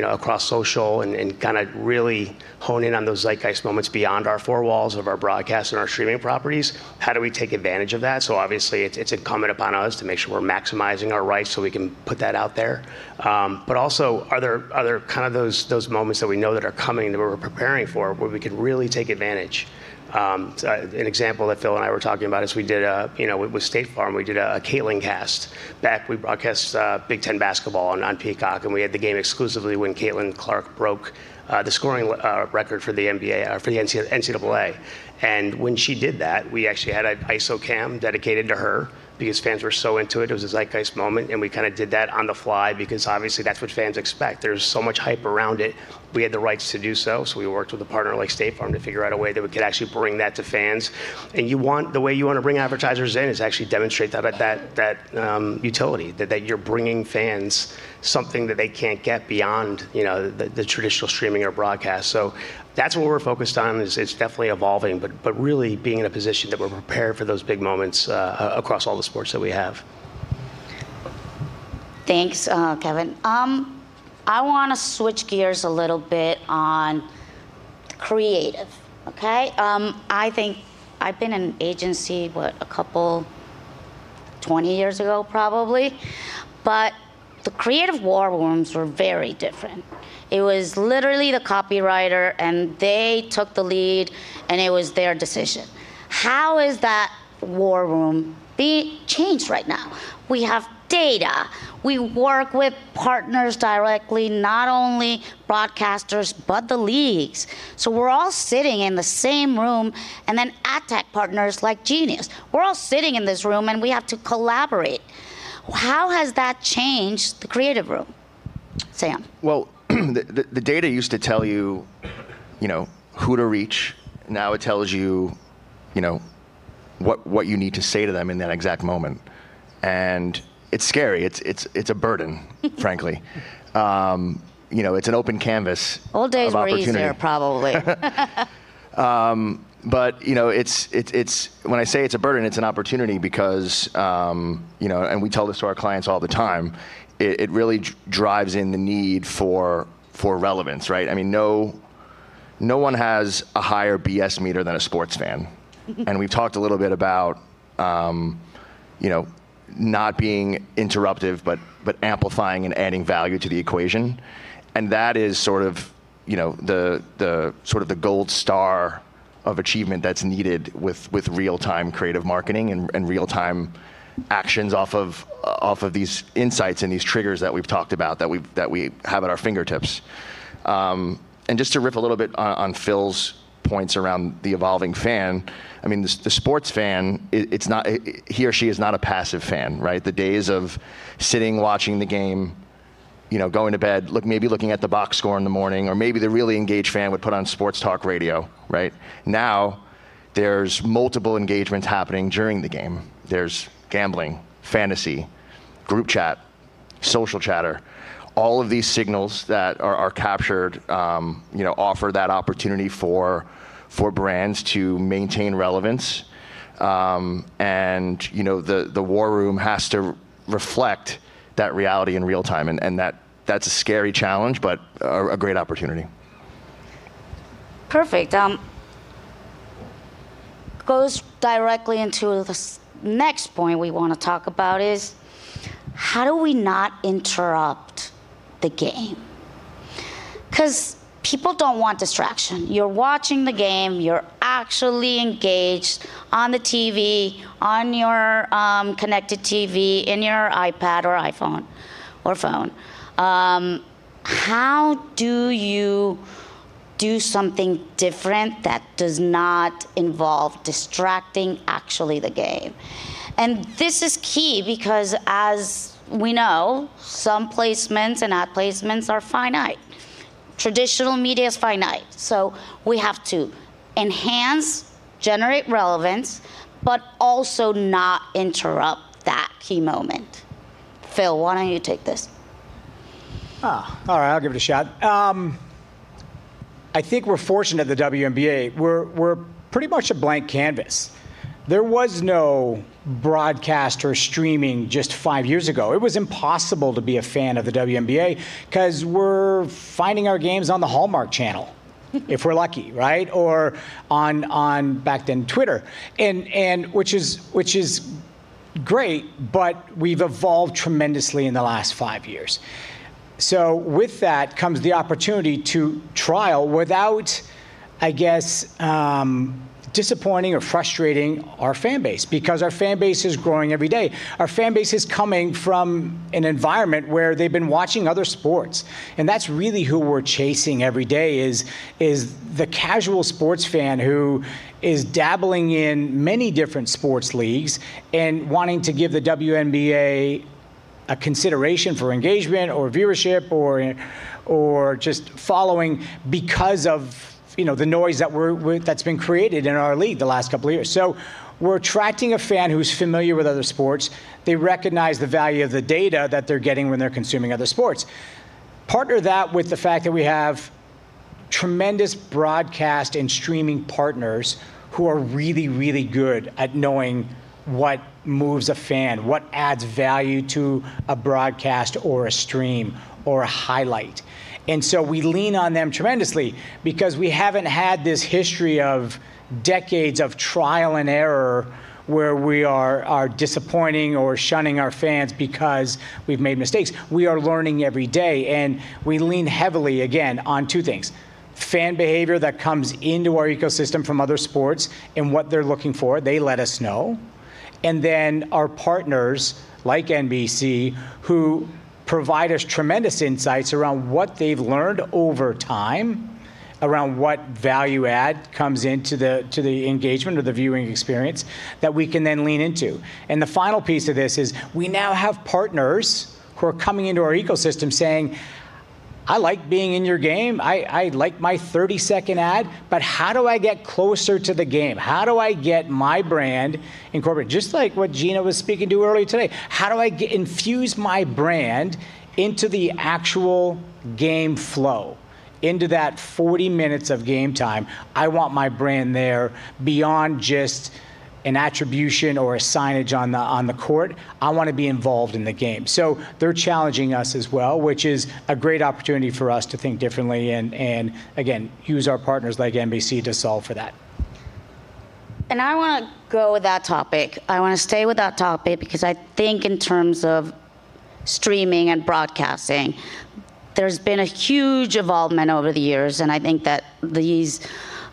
know, across social and kinda really hone in on those zeitgeist moments beyond our four walls of our broadcast and our streaming properties. How do we take advantage of that? Obviously it's incumbent upon us to make sure we're maximizing our rights so we can put that out there. Also, are there kind of those moments that we know are coming, that we're preparing for, where we can really take advantage? An example that Phil and I were talking about is, you know, we did a, you know, with State Farm back. We broadcast Big Ten basketball on Peacock, and we had the game exclusively when Caitlin Clark broke the scoring record for the NBA. When she did that, we actually had an iso cam dedicated to her because fans were so into it. It was a zeitgeist moment, and we kinda did that on the fly because obviously that's what fans expect. There's so much hype around it. We had the rights to do so we worked with a partner like State Farm to figure out a way that we could actually bring that to fans. The way you wanna bring advertisers in is actually demonstrate that utility. That you're bringing fans something that they can't get beyond, you know, the traditional streaming or broadcast. That's what we're focused on is it's definitely evolving, but really being in a position that we're prepared for those big moments, across all the sports that we have. Thanks, Kevin. I wanna switch gears a little bit on creative, okay? I think I've been in agency, what? 20 years ago probably. The creative war rooms were very different. It was literally the copywriter and they took the lead, and it was their decision. How is that war room changed right now? We have data. We work with partners directly, not only broadcasters, but the leagues. We're all sitting in the same room, and then adtech partners like Genius. We're all sitting in this room and we have to collaborate. How has that changed the creative room, Sam? Well, the data used to tell you know, who to reach, now it tells you know, what you need to say to them in that exact moment, and it's scary. It's a burden frankly. You know, it's an open canvas-- Old days were easier, probably. When I say it's a burden, it's an opportunity because, you know, and we tell this to our clients all the time, it really drives in the need for relevance, right? I mean, no one has a higher BS meter than a sports fan. We've talked a little bit about, you know, not being interruptive, but amplifying and adding value to the equation. That is sort of, you know, the sort of gold star of achievement that's needed with real-time creative marketing and real-time actions off of these insights and these triggers that we have at our fingertips. Just to riff a little bit on Phil's points around the evolving fan. I mean, the sports fan, it's not he or she is not a passive fan, right? The days of sitting, watching the game, you know, going to bed, maybe looking at the box score in the morning, or maybe the really engaged fan would put on sports talk radio, right? Now, there's multiple engagements happening during the game. There's gambling, fantasy, group chat, social chatter. All of these signals that are captured, you know, offer that opportunity for brands to maintain relevance. You know, the war room has to reflect that reality in real time, and that's a scary challenge, but a great opportunity. Perfect. Next point we wanna talk about is how do we not interrupt the game? 'Cause people don't want distraction. You're watching the game. You're actually engaged on the TV, on your connected TV, in your iPad or iPhone or phone. How do you do something different that does not involve distracting actually the game? This is key because, as we know, some placements and ad placements are finite. Traditional media is finite, so we have to enhance, generate relevance, but also not interrupt that key moment. Phil, why don't you take this? All right. I'll give it a shot. I think we're fortunate at the WNBA. We're pretty much a blank canvas. There was no broadcast or streaming just five years ago. It was impossible to be a fan of the WNBA 'cause we were finding our games on the Hallmark Channel if we're lucky, right? Or on back then, Twitter and which is great, but we've evolved tremendously in the last five years. With that comes the opportunity to trial without, I guess, disappointing or frustrating our fan base because our fan base is growing every day. Our fan base is coming from an environment where they've been watching other sports and that's really who we're chasing every day, is the casual sports fan who is dabbling in many different sports leagues and wanting to give the WNBA a consideration for engagement or viewership or just following because of, you know, the noise that's been created in our league the last couple years. We're attracting a fan who's familiar with other sports. They recognize the value of the data that they're getting when they're consuming other sports. Partner that with the fact that we have tremendous broadcast and streaming partners who are really, really good at knowing what moves a fan, what adds value to a broadcast or a stream or a highlight. We lean on them tremendously because we haven't had this history of decades of trial and error where we are disappointing or shunning our fans because we've made mistakes. We are learning every day, and we lean heavily again on two things, fan behavior that comes into our ecosystem from other sports and what they're looking for, they let us know, and then our partners, like NBC, who provide us tremendous insights around what they've learned over time, around what value add comes into the engagement or the viewing experience that we can then lean into. The final piece of this is we now have partners who are coming into our ecosystem saying, "I like being in your game. I like my 30-second ad, but how do I get closer to the game? How do I get my brand incorporated?" Just like what Gina was speaking to earlier today. "How do I infuse my brand into the actual game flow, into that 40 minutes of game time? I want my brand there beyond just an attribution or a signage on the, on the court. I want to be involved in the game." They're challenging us as well, which is a great opportunity for us to think differently and again, use our partners like NBC to solve for that. I wanna go with that topic. I wanna stay with that topic because I think in terms of streaming and broadcasting, there's been a huge evolvement over the years, and I think that these,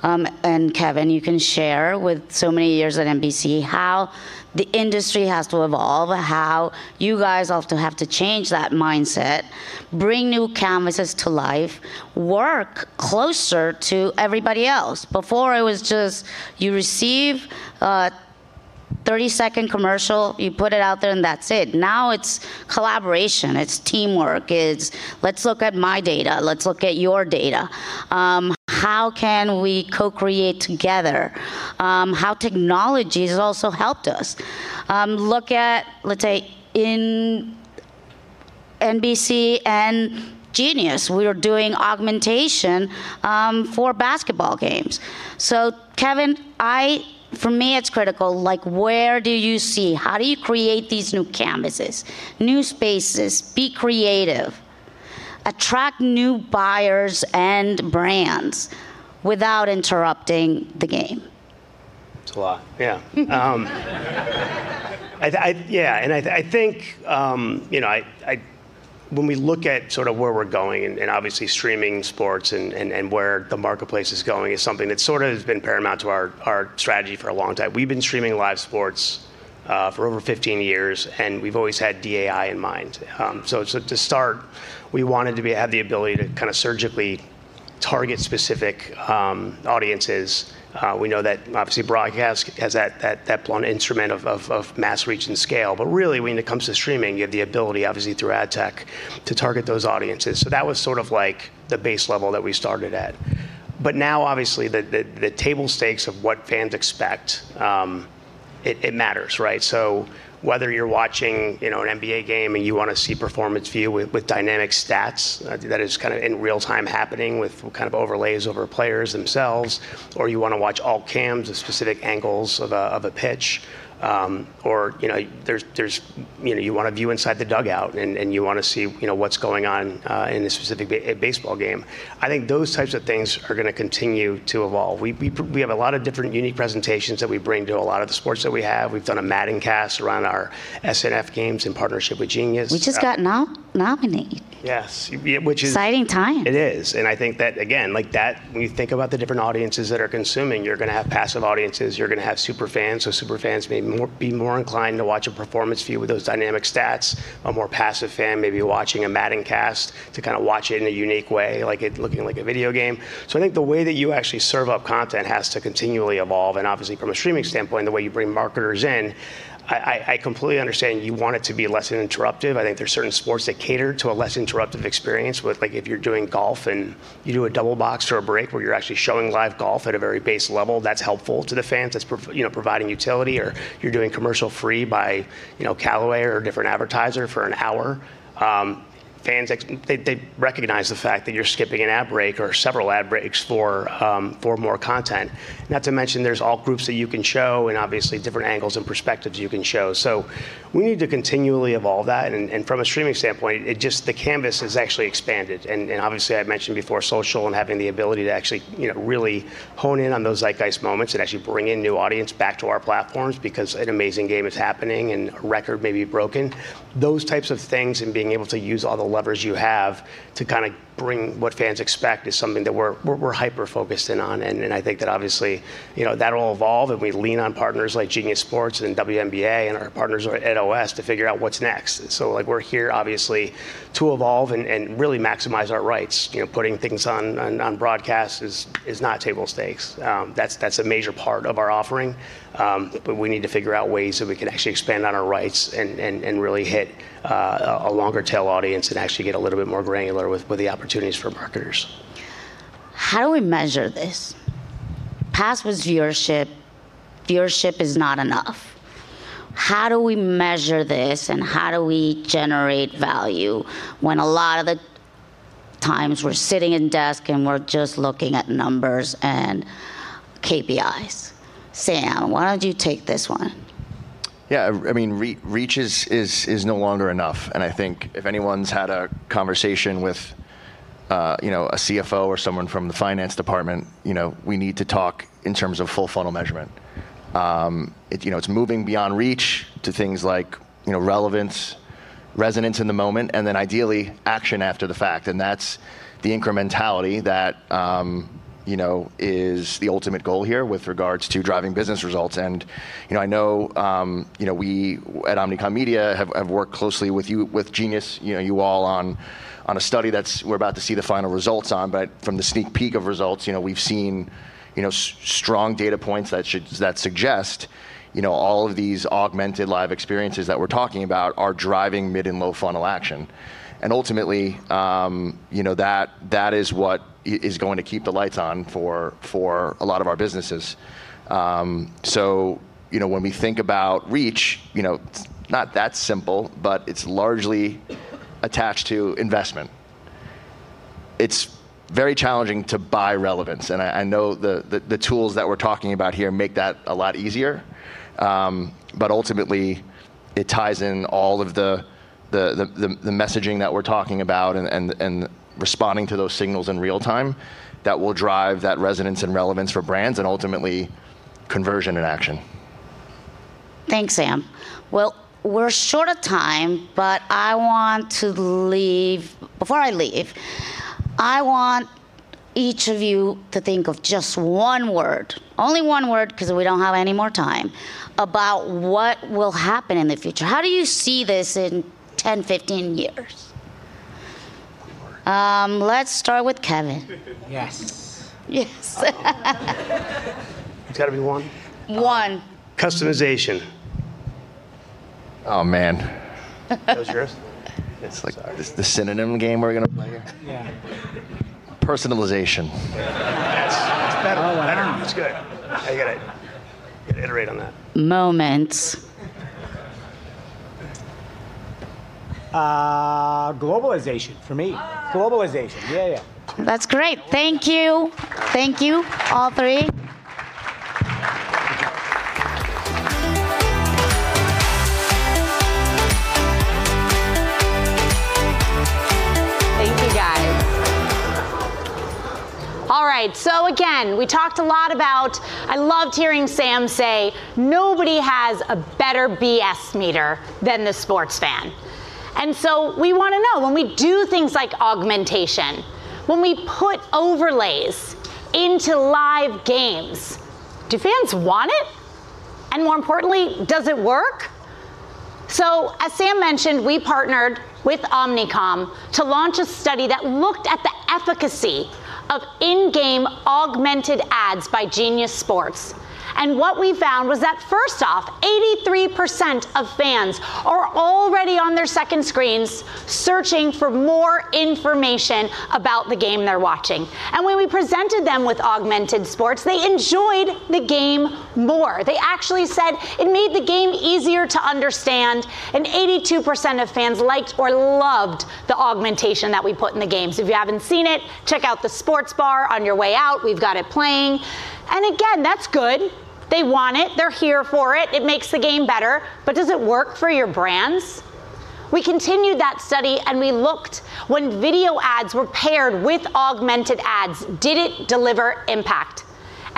and Kevin, you can share with so many years at NBC, how the industry has to evolve, how you guys often have to change that mindset, bring new canvases to life, work closer to everybody else. Before it was just you receive a 30-second commercial, you put it out there, and that's it. Now it's collaboration. It's teamwork. It's let's look at my data. Let's look at your data. How can we co-create together? How technology has also helped us. Look at, let's say in NBC and Genius, we are doing augmentation for basketball games. So Kevin, for me, it's critical, like where do you see? How do you create these new canvases, new spaces? Be creative. Attract new buyers and brands without interrupting the game. It's a lot, yeah. Yeah, I think, you know, when we look at sort of where we're going and obviously streaming sports and where the marketplace is going is something that sort of has been paramount to our strategy for a long time. We've been streaming live sports for over 15 years, and we've always had DAI in mind. So to start, we wanted to have the ability to kinda surgically target specific audiences. We know that obviously broadcast has that blunt instrument of mass reach and scale, but really when it comes to streaming, you have the ability obviously through ad tech to target those audiences. That was sort of like the base level that we started at. Now obviously the table stakes of what fans expect, it matters, right? Whether you're watching, you know, an NBA game and you wanna see performance view with dynamic stats, that is kinda in real time happening with what kind of overlays over players themselves, or you wanna watch all cams of specific angles of a pitch, or, you know, you wanna view inside the dugout and you wanna see, you know, what's going on in a specific baseball game. I think those types of things are gonna continue to evolve. We have a lot of different unique presentations that we bring to a lot of the sports that we have. We've done a Madden Cast around our SNF games in partnership with Genius. We just got nominated. Yes. Which is-- Exciting time. It is. I think that again, like, when you think about the different audiences that are consuming, you're gonna have passive audiences, you're gonna have super fans. Super fans may be more inclined to watch a performance view with those dynamic stats. A more passive fan may be watching a Madden Cast to kinda watch it in a unique way, like it looking like a video game. I think the way that you actually serve up content has to continually evolve. Obviously from a streaming standpoint, the way you bring marketers in, I completely understand you want it to be less interruptive. I think there's certain sports that cater to a less interruptive experience with like if you're doing golf and you do a double box or a break where you're actually showing live golf at a very base level that's helpful to the fans, that's you know providing utility or you're doing commercial free by, you know, Callaway or a different advertiser for an hour. They recognize the fact that you're skipping an ad break or several ad breaks for more content. Not to mention there's all groups that you can show and obviously different angles and perspectives you can show. We need to continually evolve that. From a streaming standpoint, the canvas has actually expanded. Obviously I mentioned before social and having the ability to actually, you know, really hone in on those like iconic moments and actually bring in new audience back to our platforms because an amazing game is happening and a record may be broken. Those types of things and being able to use all the levers you have to kinda bring what fans expect is something that we're hyper-focused in on. I think that obviously, you know, that'll evolve and we lean on partners like Genius Sports and WNBA and our partners at OS to figure out what's next. Like we're here obviously to evolve and really maximize our rights. You know, putting things on broadcast is not table stakes. That's a major part of our offering. We need to figure out ways that we can actually expand on our rights and really hit a longer tail audience and actually get a little bit more granular with the opportunities for marketers. How do we measure this? Past was viewership. Viewership is not enough. How do we measure this and how do we generate value when a lot of the times we're sitting in desk and we're just looking at numbers and KPIs? Sam, why don't you take this one? Yeah, I mean, reach is no longer enough. I think if anyone's had a conversation with a CFO or someone from the finance department, you know, we need to talk in terms of full funnel measurement. It's moving beyond reach to things like relevance, resonance in the moment, and then ideally action after the fact. That's the incrementality that is the ultimate goal here with regards to driving business results. I know we at Omnicom Media have worked closely with you, with Genius, you all on a study that we're about to see the final results on. From the sneak peek of results, you know, we've seen, you know, strong data points that should, that suggest, you know, all of these augmented live experiences that we're talking about are driving mid and low funnel action. Ultimately, you know, that is what is going to keep the lights on for a lot of our businesses. When we think about reach, you know, it's not that simple, but it's largely attached to investment. It's very challenging to buy relevance, and I know the tools that we're talking about here make that a lot easier. Ultimately it ties in all of the messaging that we're talking about and responding to those signals in real time that will drive that resonance and relevance for brands and ultimately conversion and action. Thanks, Sam. Well, we're short of time, but I want to leave. Before I leave, I want each of you to think of just one word, only one word 'cause we don't have any more time, about what will happen in the future. How do you see this in 10, 15 years? Let's start with Kevin. Yes. It's gotta be one? One. Customization. Oh, man. That was yours? Sorry. It's like the synonym game we're gonna play here. Personalization. That's better. That's good. I gotta iterate on that. Moments. Globalization for me. Globalization. That's great. Thank you. Thank you all three. Thank you guys. All right. Again, we talked a lot about I loved hearing Sam say, "Nobody has a better BS meter than the sports fan." We wanna know when we do things like augmentation, when we put overlays into live games, do fans want it? More importantly, does it work? As Sam mentioned, we partnered with Omnicom to launch a study that looked at the efficacy of in-game augmented ads by Genius Sports. What we found was that first off, 83% of fans are already on their second screens searching for more information about the game they're watching. When we presented them with augmented sports, they enjoyed the game more. They actually said it made the game easier to understand, and 82% of fans liked or loved the augmentation that we put in the games. If you haven't seen it, check out the sports bar on your way out, we've got it playing. Again, that's good. They want it. They're here for it. It makes the game better, but does it work for your brands? We continued that study, and we looked when video ads were paired with augmented ads, did it deliver impact?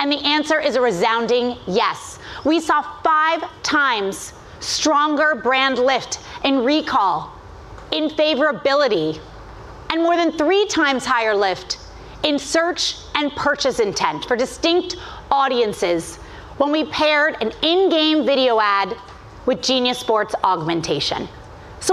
The answer is a resounding yes. We saw 5x stronger brand lift in recall, in favorability, and more than 3x higher lift in search and purchase intent for distinct audiences when we paired an in-game video ad with Genius Sports augmentation.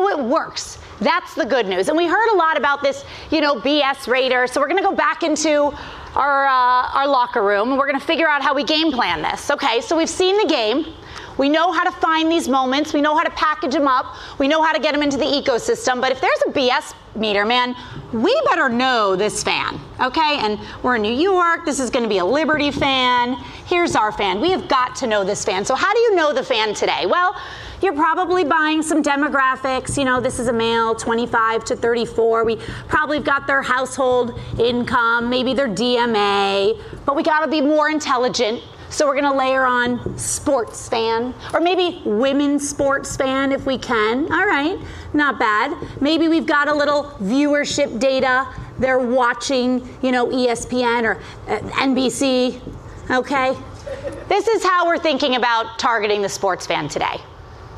It works. That's the good news. We heard a lot about this, you know, BS radar. We're gonna go back into our locker room, and we're gonna figure out how we game plan this. Okay, we've seen the game. We know how to find these moments. We know how to package them up. We know how to get them into the ecosystem. If there's a BS meter, man, we better know this fan, okay? We're in New York, this is gonna be a Liberty fan. Here's our fan. We have got to know this fan. How do you know the fan today? Well, you're probably buying some demographics. You know, this is a male, 25-34. We probably have got their household income, maybe their DMA, but we gotta be more intelligent. We're gonna layer on sports fan or maybe women's sports fan, if we can. All right. Not bad. Maybe we've got a little viewership data. They're watching, you know, ESPN or NBC. Okay. This is how we're thinking about targeting the sports fan today,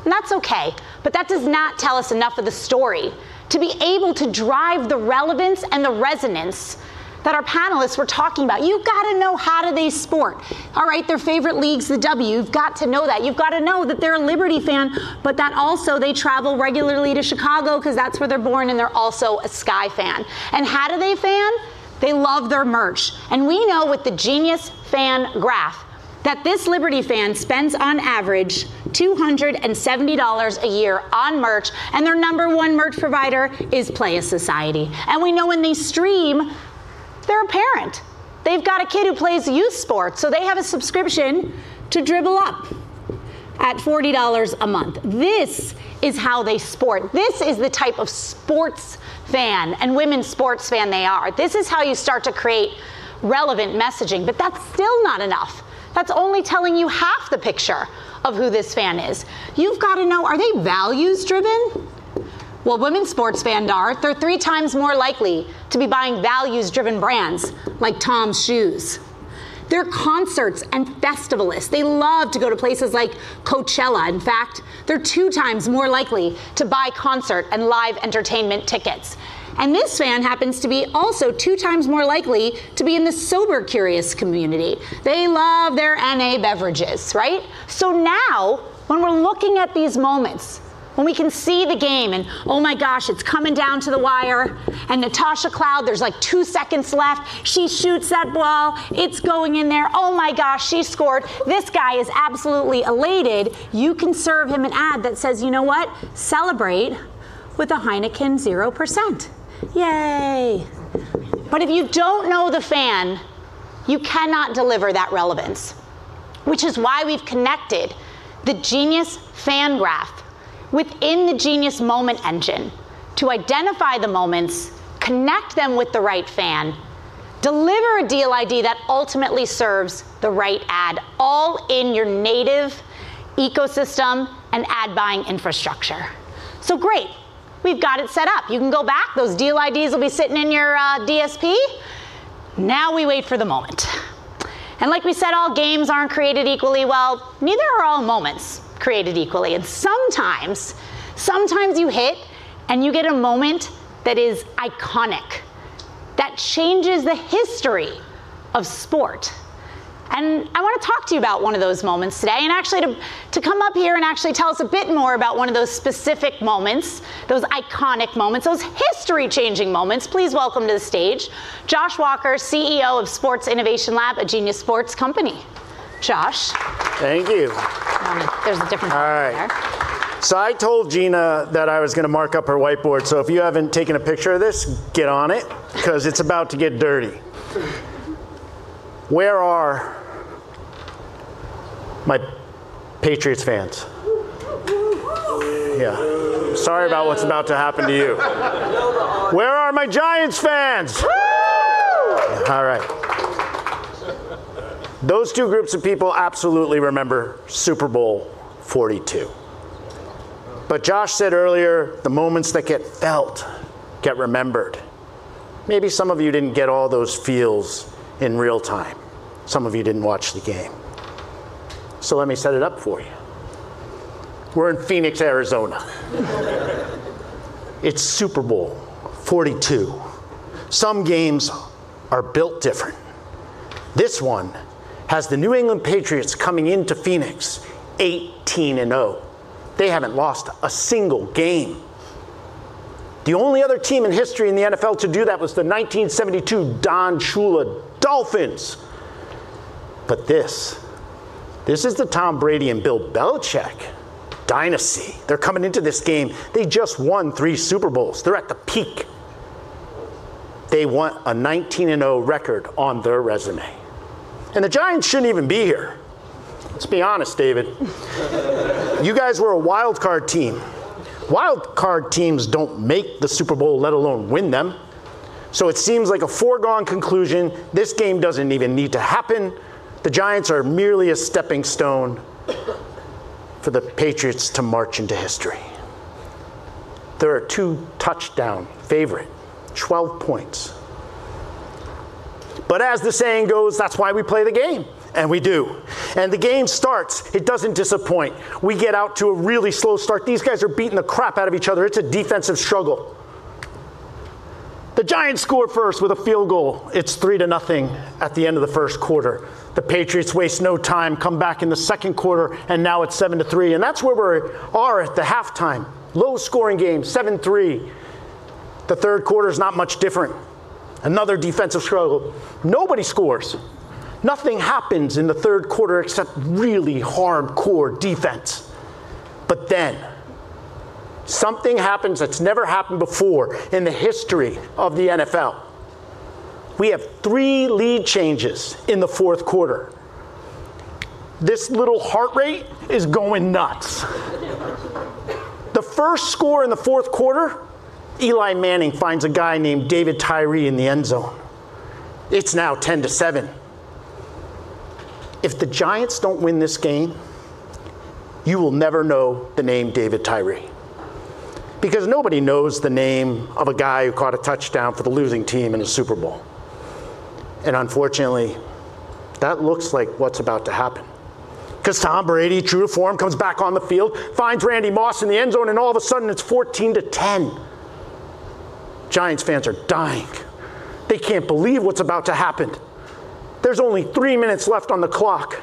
and that's okay. That does not tell us enough of the story to be able to drive the relevance and the resonance that our panelists were talking about. You've gotta know how do they sport? All right, their favorite league's the W. You've got to know that. You've got to know that they're a Liberty fan, but that also they travel regularly to Chicago 'cause that's where they're born, and they're also a Sky fan. How do they fan? They love their merch. We know with the Genius Fan Graph that this Liberty fan spends on average $270 a year on merch, and their number one merch provider is Playa Society. We know when they stream, they're a parent. They've got a kid who plays youth sports, so they have a subscription to DribbleUp at $40 a month. This is how they sport. This is the type of sports fan and women's sports fan they are. This is how you start to create relevant messaging, but that's still not enough. That's only telling you half the picture of who this fan is. You've gotta know, are they values-driven? Well, women's sports fan are. They're 3x more likely to be buying values-driven brands like TOMS Shoes. They're concerts and festivalists. They love to go to places like Coachella. In fact, they're 2x more likely to buy concert and live entertainment tickets. This fan happens to be also 2x more likely to be in the sober curious community. They love their NA beverages, right? So now when we're looking at these moments, when we can see the game and oh my gosh, it's coming down to the wire and Natasha Cloud, there's like two seconds left. She shoots that ball. It's going in there. Oh my gosh, she scored. This guy is absolutely elated. You can serve him an ad that says, "You know what? Celebrate with a Heineken 0.0%. Yay." But if you don't know the fan, you cannot deliver that relevance. Which is why we've connected the Genius Fan Graph within the Genius Moment Engine to identify the moments, connect them with the right fan, deliver a deal ID that ultimately serves the right ad all in your native ecosystem and ad buying infrastructure. Great. We've got it set up. You can go back. Those deal IDs will be sitting in your DSP. Now we wait for the moment. Like we said, all games aren't created equally. Well, neither are all moments created equally. Sometimes you hit, and you get a moment that is iconic, that changes the history of sport. I wanna talk to you about one of those moments today. Actually to come up here and actually tell us a bit more about one of those specific moments, those iconic moments, those history-changing moments, please welcome to the stage Josh Walker, CEO of Sports Innovation Lab, a Genius Sports company. Josh? Thank you. There's a different one there. All right. I told Gina that I was gonna mark up her whiteboard. If you haven't taken a picture of this, get on it 'cause it's about to get dirty. Where are my Patriots fans? Yeah. Sorry about what's about to happen to you. Where are my Giants fans? All right. Those two groups of people absolutely remember Super Bowl XLII. Josh said earlier, the moments that get felt get remembered. Maybe some of you didn't get all those feels in real time. Some of you didn't watch the game. Let me set it up for you. We're in Phoenix, Arizona. It's Super Bowl XLII. Some games are built different. This one has the New England Patriots coming into Phoenix 18-0. They haven't lost a single game. The only other team in history in the NFL to do that was the 1972 Don Shula Dolphins. This is the Tom Brady and Bill Belichick dynasty. They're coming into this game, they just won three Super Bowls. They're at the peak. They want a 19-0 record on their resume, and the Giants shouldn't even be here. Let's be honest, David. You guys were a wild card team. Wild card teams don't make the Super Bowl, let alone win them, so it seems like a foregone conclusion. This game doesn't even need to happen. The Giants are merely a stepping stone for the Patriots to march into history. They're a two touchdown favorite, 12 points. As the saying goes, that's why we play the game, and we do. The game starts. It doesn't disappoint. We get out to a really slow start. These guys are beating the crap out of each other. It's a defensive struggle. The Giants scored first with a field goal. It's three-zero at the end of the first quarter. The Patriots waste no time, come back in the second quarter, and now it's seven-three, and that's where we are at the halftime. Low scoring game, seven-three. The third quarter's not much different. Another defensive struggle. Nobody scores. Nothing happens in the third quarter except really hardcore defense. Something happens that's never happened before in the history of the NFL. We have three lead changes in the fourth quarter. This little heart rate is going nuts. The first score in the fourth quarter, Eli Manning finds a guy named David Tyree in the end zone. It's now 10-7. If the Giants don't win this game, you will never know the name David Tyree, because nobody knows the name of a guy who caught a touchdown for the losing team in a Super Bowl. Unfortunately, that looks like what's about to happen, 'cause Tom Brady, true to form, comes back on the field, finds Randy Moss in the end zone, and all of a sudden it's 14-10. Giants fans are dying. They can't believe what's about to happen. There's only three minutes left on the clock,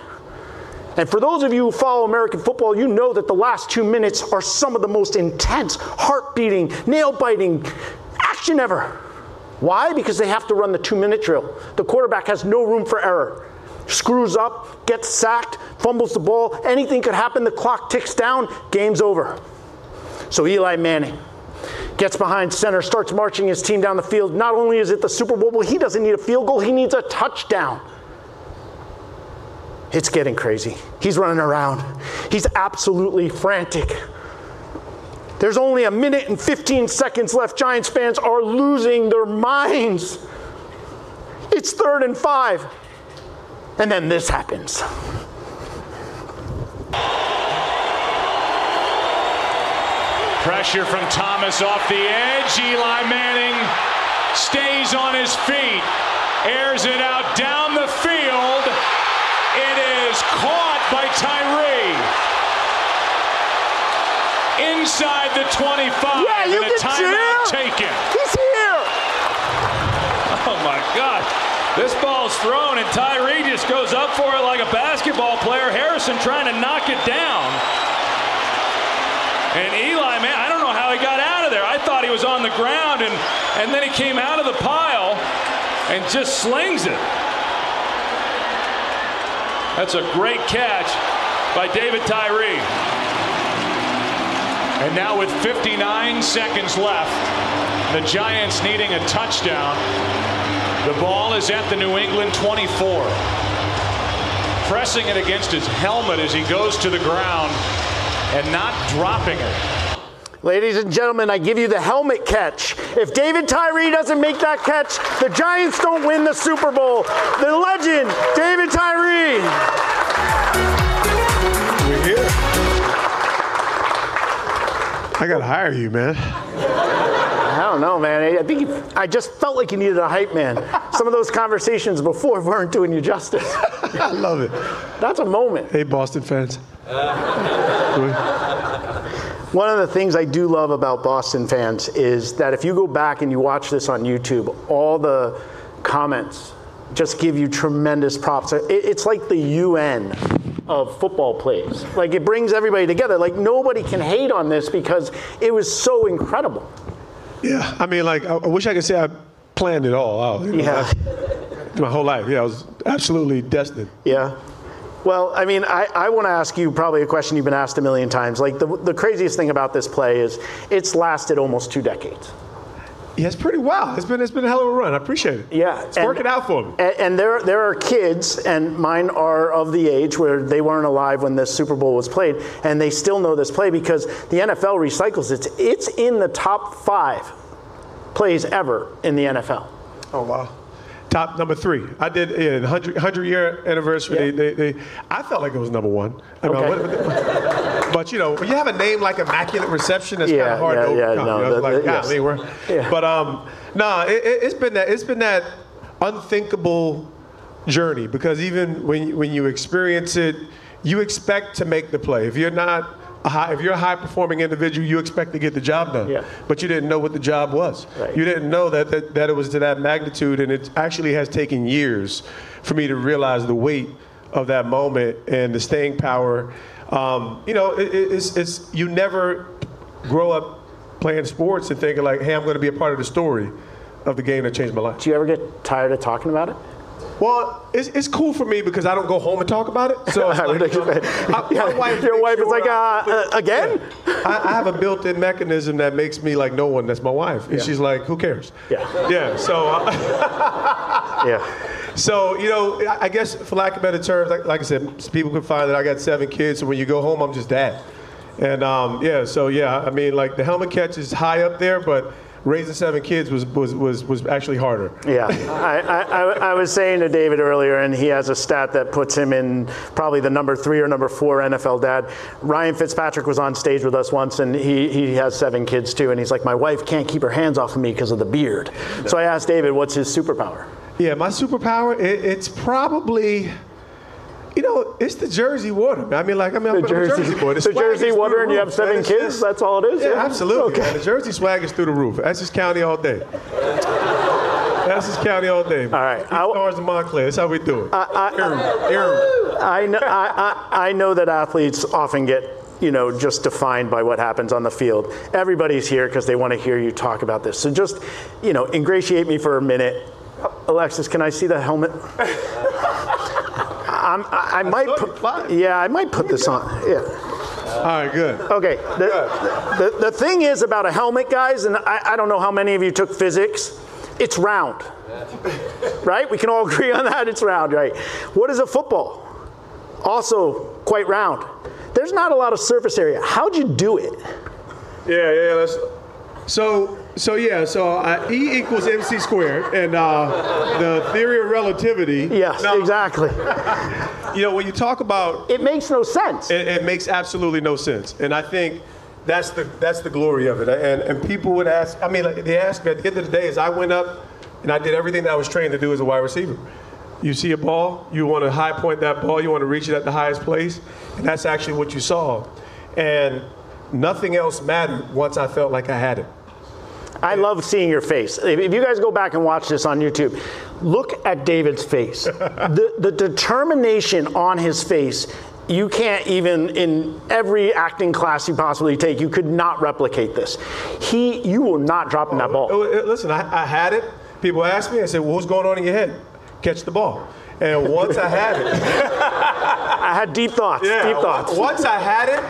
and for those of you who follow American football, you know that the last two minutes are some of the most intense, heart beating, nail biting action ever. Why? Because they have to run the two-minute drill. The quarterback has no room for error. Screws up, gets sacked, fumbles the ball. Anything could happen. The clock ticks down. Game's over. Eli Manning gets behind center, starts marching his team down the field. Not only is it the Super Bowl, but he doesn't need a field goal, he needs a touchdown. It's getting crazy. He's running around. He's absolutely frantic. There's only 1 minute and 15 seconds left. Giants fans are losing their minds. It's third and five, and then this happens. Pressure from Thomas off the edge. Eli Manning stays on his feet, airs it out down the field. It is caught by Tyree. Inside the 25. Yeah, you can see him. A timeout taken. He's here. Oh, my God. This ball's thrown and Tyree just goes up for it like a basketball player. Harrison trying to knock it down. Eli Manning, I don't know how he got out of there. I thought he was on the ground and then he came out of the pile and just slings it. That's a great catch by David Tyree. Now with 59 seconds left, the Giants needing a touchdown, the ball is at the New England 24. Pressing it against his helmet as he goes to the ground and not dropping it. Ladies and gentlemen, I give you the helmet catch. If David Tyree doesn't make that catch, the Giants don't win the Super Bowl. The legend, David Tyree. You're here. I gotta hire you, man. I don't know, man. I think I just felt like you needed a hype man. Some of those conversations before weren't doing you justice. I love it. That's a moment. Hey, Boston fans. Hey. One of the things I do love about Boston fans is that if you go back and you watch this on YouTube, all the comments just give you tremendous props. It's like the UN of football plays. Like, it brings everybody together. Like, nobody can hate on this because it was so incredible. Yeah. I mean, like, I wish I could say I planned it all out. My whole life. Yeah, I was absolutely destined. Yeah. Well, I mean, I wanna ask you probably a question you've been asked 1 million times. Like, the craziest thing about this play is it's lasted almost two decades. Yeah, it's pretty wild. It's been a hell of a run. I appreciate it. It's worked out for me. There are kids, and mine are of the age where they weren't alive when this Super Bowl was played, and they still know this play because the NFL recycles it. It's in the top five plays ever in the NFL? Oh, wow. Top number three. I did in the 100-year anniversary. I felt like it was number one. Okay. I mean, you know, when you have a name like Immaculate Reception. It's kinda hard to overcome. Yeah. No, yes. You know, like, "Yeah, they were. Yeah. It's been that unthinkable journey because even when you experience it, you expect to make the play. If you're a high-performing individual, you expect to get the job done. Yeah. You didn't know what the job was. Right. You didn't know that it was to that magnitude, and it actually has taken years for me to realize the weight of that moment and the staying power. You know, it's you never grow up playing sports and thinking like, "Hey, I'm gonna be a part of the story of the game that changed my life. Do you ever get tired of talking about it? Well, it's cool for me because I don't go home and talk about it. Right. You know, my wife makes sure I-- Your wife is like, "again? I have a built-in mechanism that makes me like no one. That's my wife. She's like, "Who cares?" Yeah, so Yeah. You know, I guess for lack of better terms, like I said, people can find that I got seven kids. When you go home, I'm just Dad. Yeah, I mean, like the helmet catch is high up there, but raising seven kids was actually harder. I was saying to David earlier, and he has a stat that puts him in probably the number three or number four NFL dad. Ryan Fitzpatrick was on stage with us once, and he has seven kids, too, and he's like, "My wife can't keep her hands off me 'cause of the beard." I asked David what's his superpower. Yeah, my superpower, it's probably you know, it's the jersey water. I mean, like, I put the jersey-- The jersey water. On. The swag is through the roof. The jersey water, and you have seven kids? Yes, yes. That's all it is? Yeah? Yeah, absolutely. Okay. The jersey swag is through the roof. Essex County all day. All right. Three stars in Montclair. That's how we do it. Hear me. Hear me. I know that athletes often get, you know, just defined by what happens on the field. Everybody's here 'cause they wanna hear you talk about this, so just, you know, ingratiate me for a minute. Alexis, can I see the helmet? I might put-- Yeah, I might put this on. Here you go. All right. Good. Okay. The thing is about a helmet, guys, and I don't know how many of you took physics. It's round. Right? We can all agree on that? It's round, right. What is a football? Also quite round. There's not a lot of surface area. How'd you do it? Yeah, that's E equals MC squared and the theory of relativity. Yes, exactly. You know, when you talk about It makes no sense. It makes absolutely no sense, and I think that's the glory of it. And people would ask. I mean, like, they ask me, at the end of the day is I went up, and I did everything that I was trained to do as a wide receiver. You see a ball, you wanna high point that ball. You wanna reach it at the highest place, and that's actually what you saw. Nothing else mattered once I felt like I had it. I love seeing your face. If you guys go back and watch this on YouTube, look at David's face. The determination on his face, you can't even in every acting class you possibly take, you could not replicate this. You were not dropping that ball. Listen, I had it. People ask me, they say, "What was going on in your head?" Catch the ball. Once I had it. I had deep thoughts. Deep thoughts. Once I had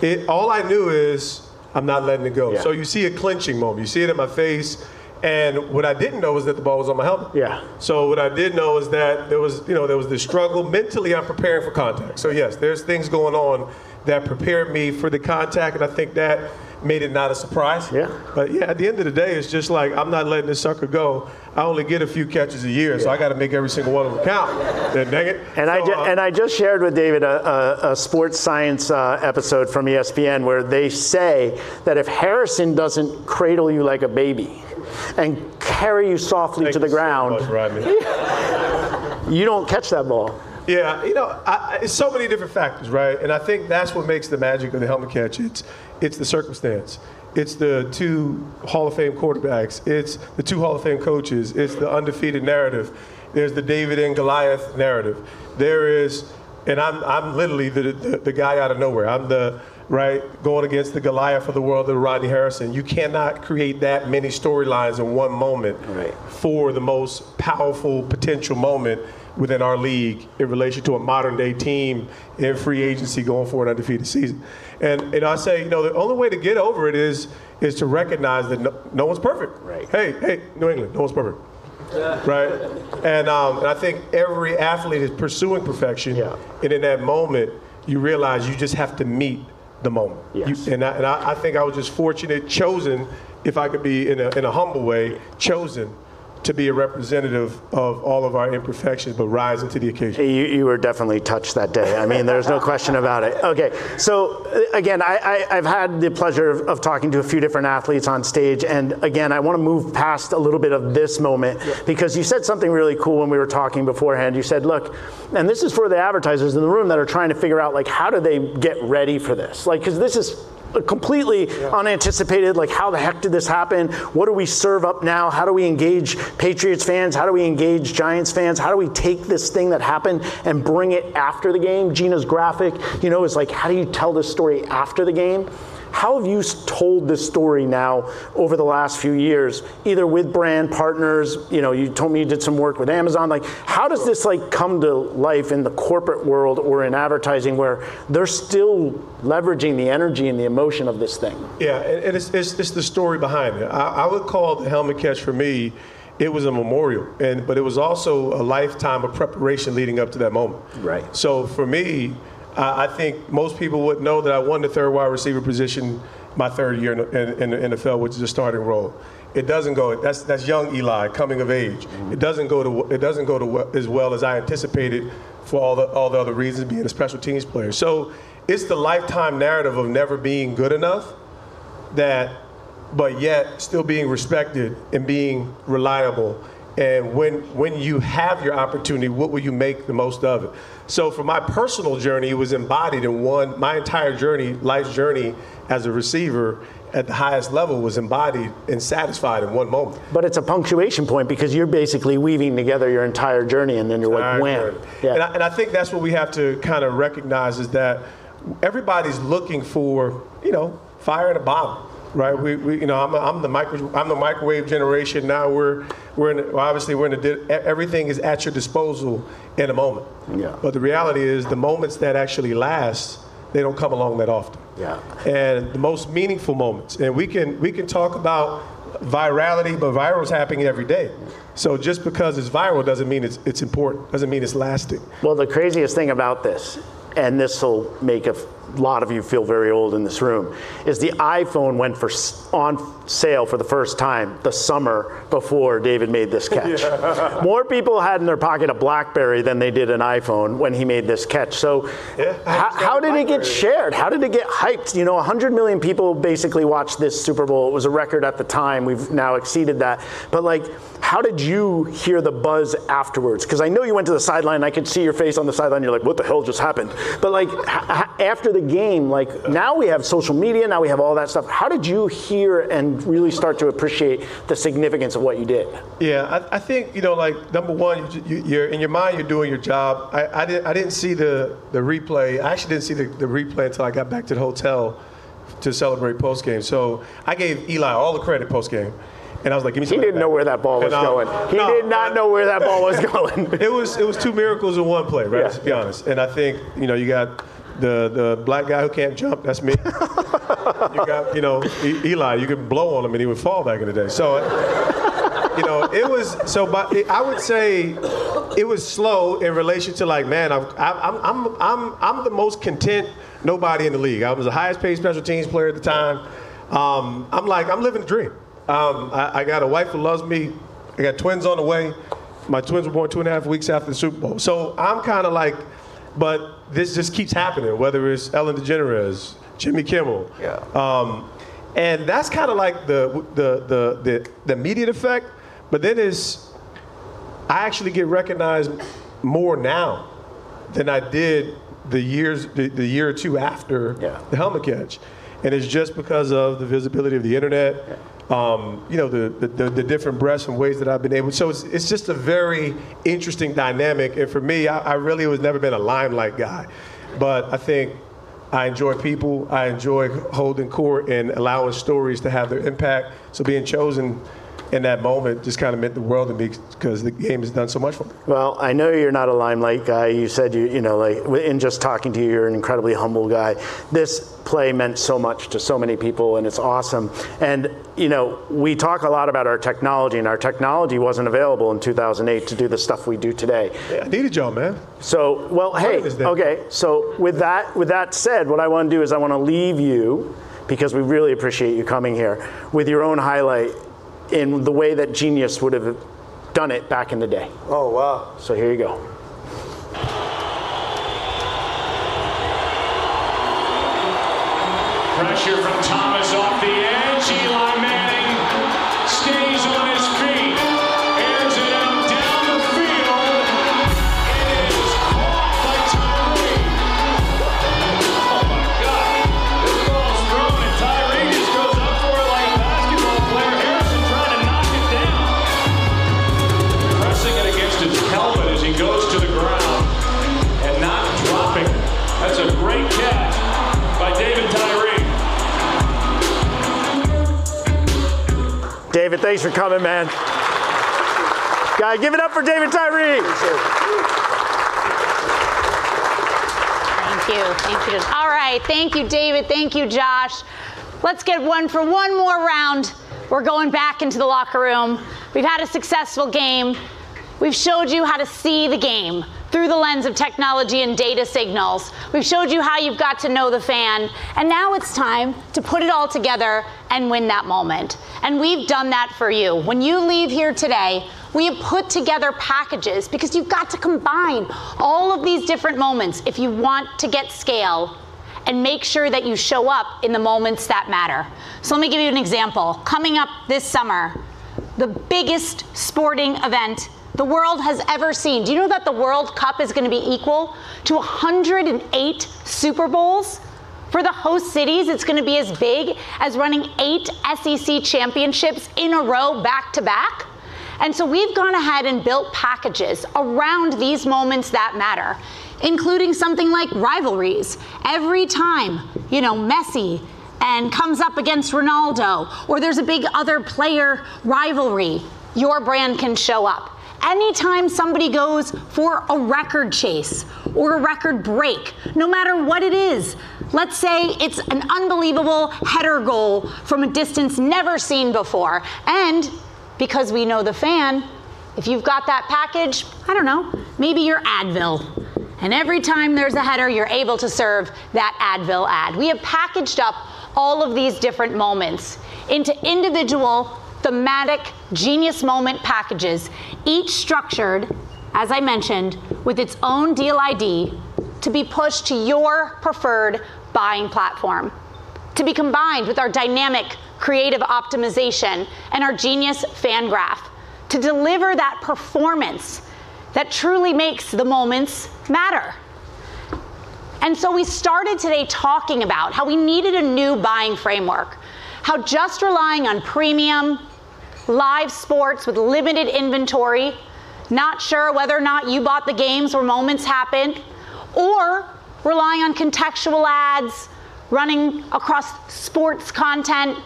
it, all I knew is I'm not letting it go. You see a clinching moment. You see it in my face, and what I didn't know was that the ball was on my helmet. Yeah. What I did know is that there was, you know, there was the struggle. Mentally I'm preparing for contact. Yes, there's things going on that prepared me for the contact, and I think that made it not a surprise. Yeah. Yeah, at the end of the day, it's just like I'm not letting this sucker go. I only get a few catches a year. I gotta make every single one of them count. Dang it. I just shared with David a Sports Science episode from ESPN where they say that if Harrison doesn't cradle you like a baby and carry you softly to the ground-- Thank you so much, Rodney. You don't catch that ball. Yeah. You know, it's so many different factors, right? I think that's what makes the magic of the helmet catch. It's the circumstance. It's the two Hall of Fame quarterbacks. It's the two Hall of Fame coaches. It's the undefeated narrative. There's the David and Goliath narrative. I'm literally the guy out of nowhere. I'm the right, going against the Goliath of the world, the Rodney Harrison. You cannot create that many storylines in one moment. For the most powerful potential moment within our league in relation to a modern-day team in free agency going for an undefeated season. I say, you know, the only way to get over it is to recognize that no one's perfect. Right. Hey, hey, New England, no one's perfect. Right? I think every athlete is pursuing perfection. Yeah. In that moment, you realize you just have to meet the moment. Yes. I think I was just fortunate, chosen, if I could be in a humble way, chosen to be a representative of all of our imperfections but rising to the occasion. You were definitely touched that day. I mean, there's no question about it. Okay, so again, I've had the pleasure of talking to a few different athletes on stage, and again, I wanna move past a little bit of this moment. You said something really cool when we were talking beforehand. You said, "Look," and this is for the advertisers in the room that are trying to figure out, like, how do they get ready for this? Like, 'cause this is, like, completely unanticipated. Like, how the heck did this happen? What do we serve up now? How do we engage Patriots fans? How do we engage Giants fans? How do we take this thing that happened and bring it after the game? Gina's graphic, you know, is like, how do you tell this story after the game? How have you told this story now over the last few years, either with brand partners? You know, you told me you did some work with Amazon. Like how does this, like, come to life in the corporate world or in advertising where they're still leveraging the energy and the emotion of this thing? It's the story behind it. I would call the helmet catch for me, it was a memorial, but it was also a lifetime of preparation leading up to that moment. Right. For me, I think most people wouldn't know that I won the third wide receiver position my third year in the NFL, which is a starting role. That's young Eli coming of age. It doesn't go as well as I anticipated for all the other reasons, being a special teams player. It's the lifetime narrative of never being good enough but yet still being respected and being reliable. When you have your opportunity, what will you make the most of it? For my personal journey, it was embodied in one. My entire journey, life's journey as a receiver at the highest level was embodied and satisfied in one moment. It's a punctuation point because you're basically weaving together your entire journey, and then you're like, "When? That's right. I think that's what we have to kinda recognize is that everybody's looking for, you know, fire in a bottle, right? We, you know, I'm the microwave generation now. Obviously everything is at your disposal in a moment. The reality is, the moments that actually last, they don't come along that often. Yeah. The most meaningful moments. We can talk about virality, but viral is happening every day. Just because it's viral doesn't mean it's important, doesn't mean it's lasting. Well, the craziest thing about this, and this'll make a lot of you feel very old in this room, is the iPhone went on sale for the first time the summer before David Tyree made this catch. More people had in their pocket a BlackBerry than they did an iPhone when he made this catch. Yeah. I actually got a BlackBerry. How did it get shared? How did it get hyped? You know, 100 million people basically watched this Super Bowl. It was a record at the time. We've now exceeded that. Like, how did you hear the buzz afterwards? 'Cause I know you went to the sideline. I could see your face on the sideline. You're like, "What the hell just happened?" Like, after the game, like, now we have social media, now we have all that stuff. How did you hear and really start to appreciate the significance of what you did? Yeah. I think, you know, like, number one, you're in your mind you're doing your job. I didn't see the replay. I actually didn't see the replay until I got back to the hotel to celebrate post-game. I gave Eli all the credit post-game, and I was like, "Give me some of that. He didn't know where that ball was going. He did not know where that ball was going. It was two miracles in one play, right? Yeah. To be honest. I think, you know, you got the Black guy who can't jump. That's me. You got, you know, Eli. You could blow on him and he would fall back in the day. You know, but I would say it was slow in relation to like, man, I'm the most content nobody in the league. I was the highest paid special teams player at the time. I'm like, "I'm living the dream." I got a wife who loves me. I got twins on the way. My twins were born 2.5 weeks after the Super Bowl. I'm kinda like this just keeps happening, whether it's Ellen DeGeneres, Jimmy Kimmel. That's kinda like the immediate effect. I actually get recognized more now than I did the year or two after. The Helmet Catch. It's just because of the visibility of the internet. You know, the different breaths and ways that I've been able. It's just a very interesting dynamic. For me, I really was never been a limelight guy, but I think I enjoy people. I enjoy holding court and allowing stories to have their impact. Being chosen in that moment just kinda meant the world to me 'cause the game has done so much for me. Well, I know you're not a limelight guy. You said you know, like, in just talking to you're an incredibly humble guy. This play meant so much to so many people, and it's awesome. You know, we talk a lot about our technology, and our technology wasn't available in 2008 to do the stuff we do today. Yeah. I need a job, man. Well, hey. Life is different. Okay. With that said, what I wanna do is leave you, because we really appreciate you coming here, with your own highlight in the way that Genius would've done it back in the day. Oh, wow. Here you go. Pressure from Thomas off the edge. Eli Manning stays on his feet. Airs it up down the field, and it is caught by Tyree. Oh, my gosh. This ball is thrown, and Tyree just goes up for it like a basketball player. Harrison trying to knock it down. Pressing it against his helmet as he goes to the ground and not dropping it. That's a great catch by David Tyree. David, thanks for coming, man. Guys, give it up for David Tyree. Appreciate it. Thank you. All right. Thank you, David. Thank you, Josh. Let's get one more round. We're going back into the locker room. We've had a successful game. We've showed you how to see the game through the lens of technology and data signals. We've showed you how you've got to know the fan, and now it's time to put it all together and win that moment, and we've done that for you. When you leave here today, we have put together packages because you've got to combine all of these different moments if you want to get scale and make sure that you show up in the moments that matter. Let me give you an example. Coming up this summer, the biggest sporting event the world has ever seen. Do you know that the World Cup is gonna be equal to 108 Super Bowls? For the host cities, it's gonna be as big as running eight SEC championships in a row back to back. We've gone ahead and built packages around these moments that matter, including something like rivalries. Every time, you know, Messi and comes up against Ronaldo, or there's a big other player rivalry, your brand can show up. Anytime somebody goes for a record chase or a record break, no matter what it is. Let's say it's an unbelievable header goal from a distance never seen before. Because we know the fan, if you've got that package, I don't know, maybe you're Advil, and every time there's a header, you're able to serve that Advil ad. We have packaged up all of these different moments into individual thematic Genius Moment packages, each structured, as I mentioned, with its own deal ID. To be pushed to your preferred buying platform. To be combined with our Dynamic Creative Optimization and our Genius Fan Graph to deliver that performance that truly makes the moments matter. We started today talking about how we needed a new buying framework. How just relying on premium live sports with limited inventory, not sure whether or not you bought the games where moments happen, or rely on contextual ads running across sports content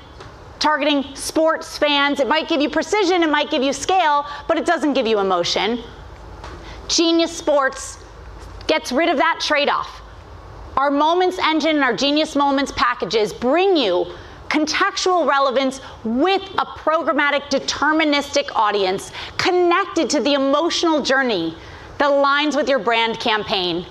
targeting sports fans. It might give you precision, it might give you scale, but it doesn't give you emotion. Genius Sports gets rid of that trade-off. Our Moment Engine and our Genius Moments packages bring you contextual relevance with a programmatic deterministic audience connected to the emotional journey that aligns with your brand campaign,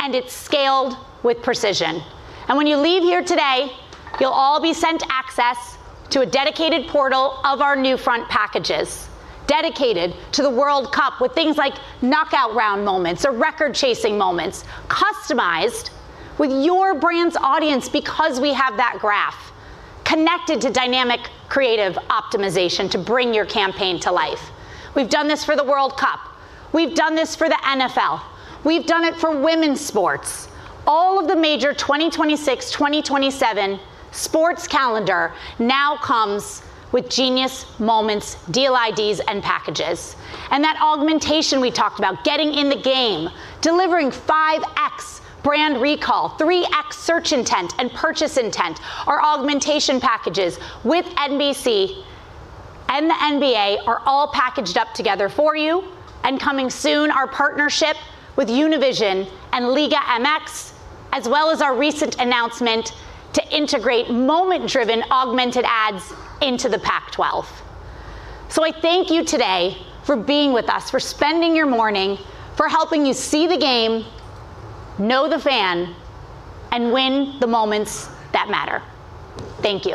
and it's scaled with precision. When you leave here today, you'll all be sent access to a dedicated portal of our NewFront packages dedicated to the World Cup with things like knockout round moments or record-chasing moments customized with your brand's audience because we have that graph connected to Dynamic Creative Optimization to bring your campaign to life. We've done this for the World Cup. We've done this for the NFL. We've done it for women's sports. All of the major 2026/2027 sports calendar now comes with Genius Moments, deal IDs, and packages. That augmentation we talked about, getting in the game, delivering 5x brand recall, 3x search intent and purchase intent. Our augmentation packages with NBC and the NBA are all packaged up together for you. Coming soon, our partnership with Univision and Liga MX, as well as our recent announcement to integrate moment-driven augmented ads into the Pac-12. I thank you today for being with us, for spending your morning, for helping you see the game, know the fan, and win the moments that matter. Thank you.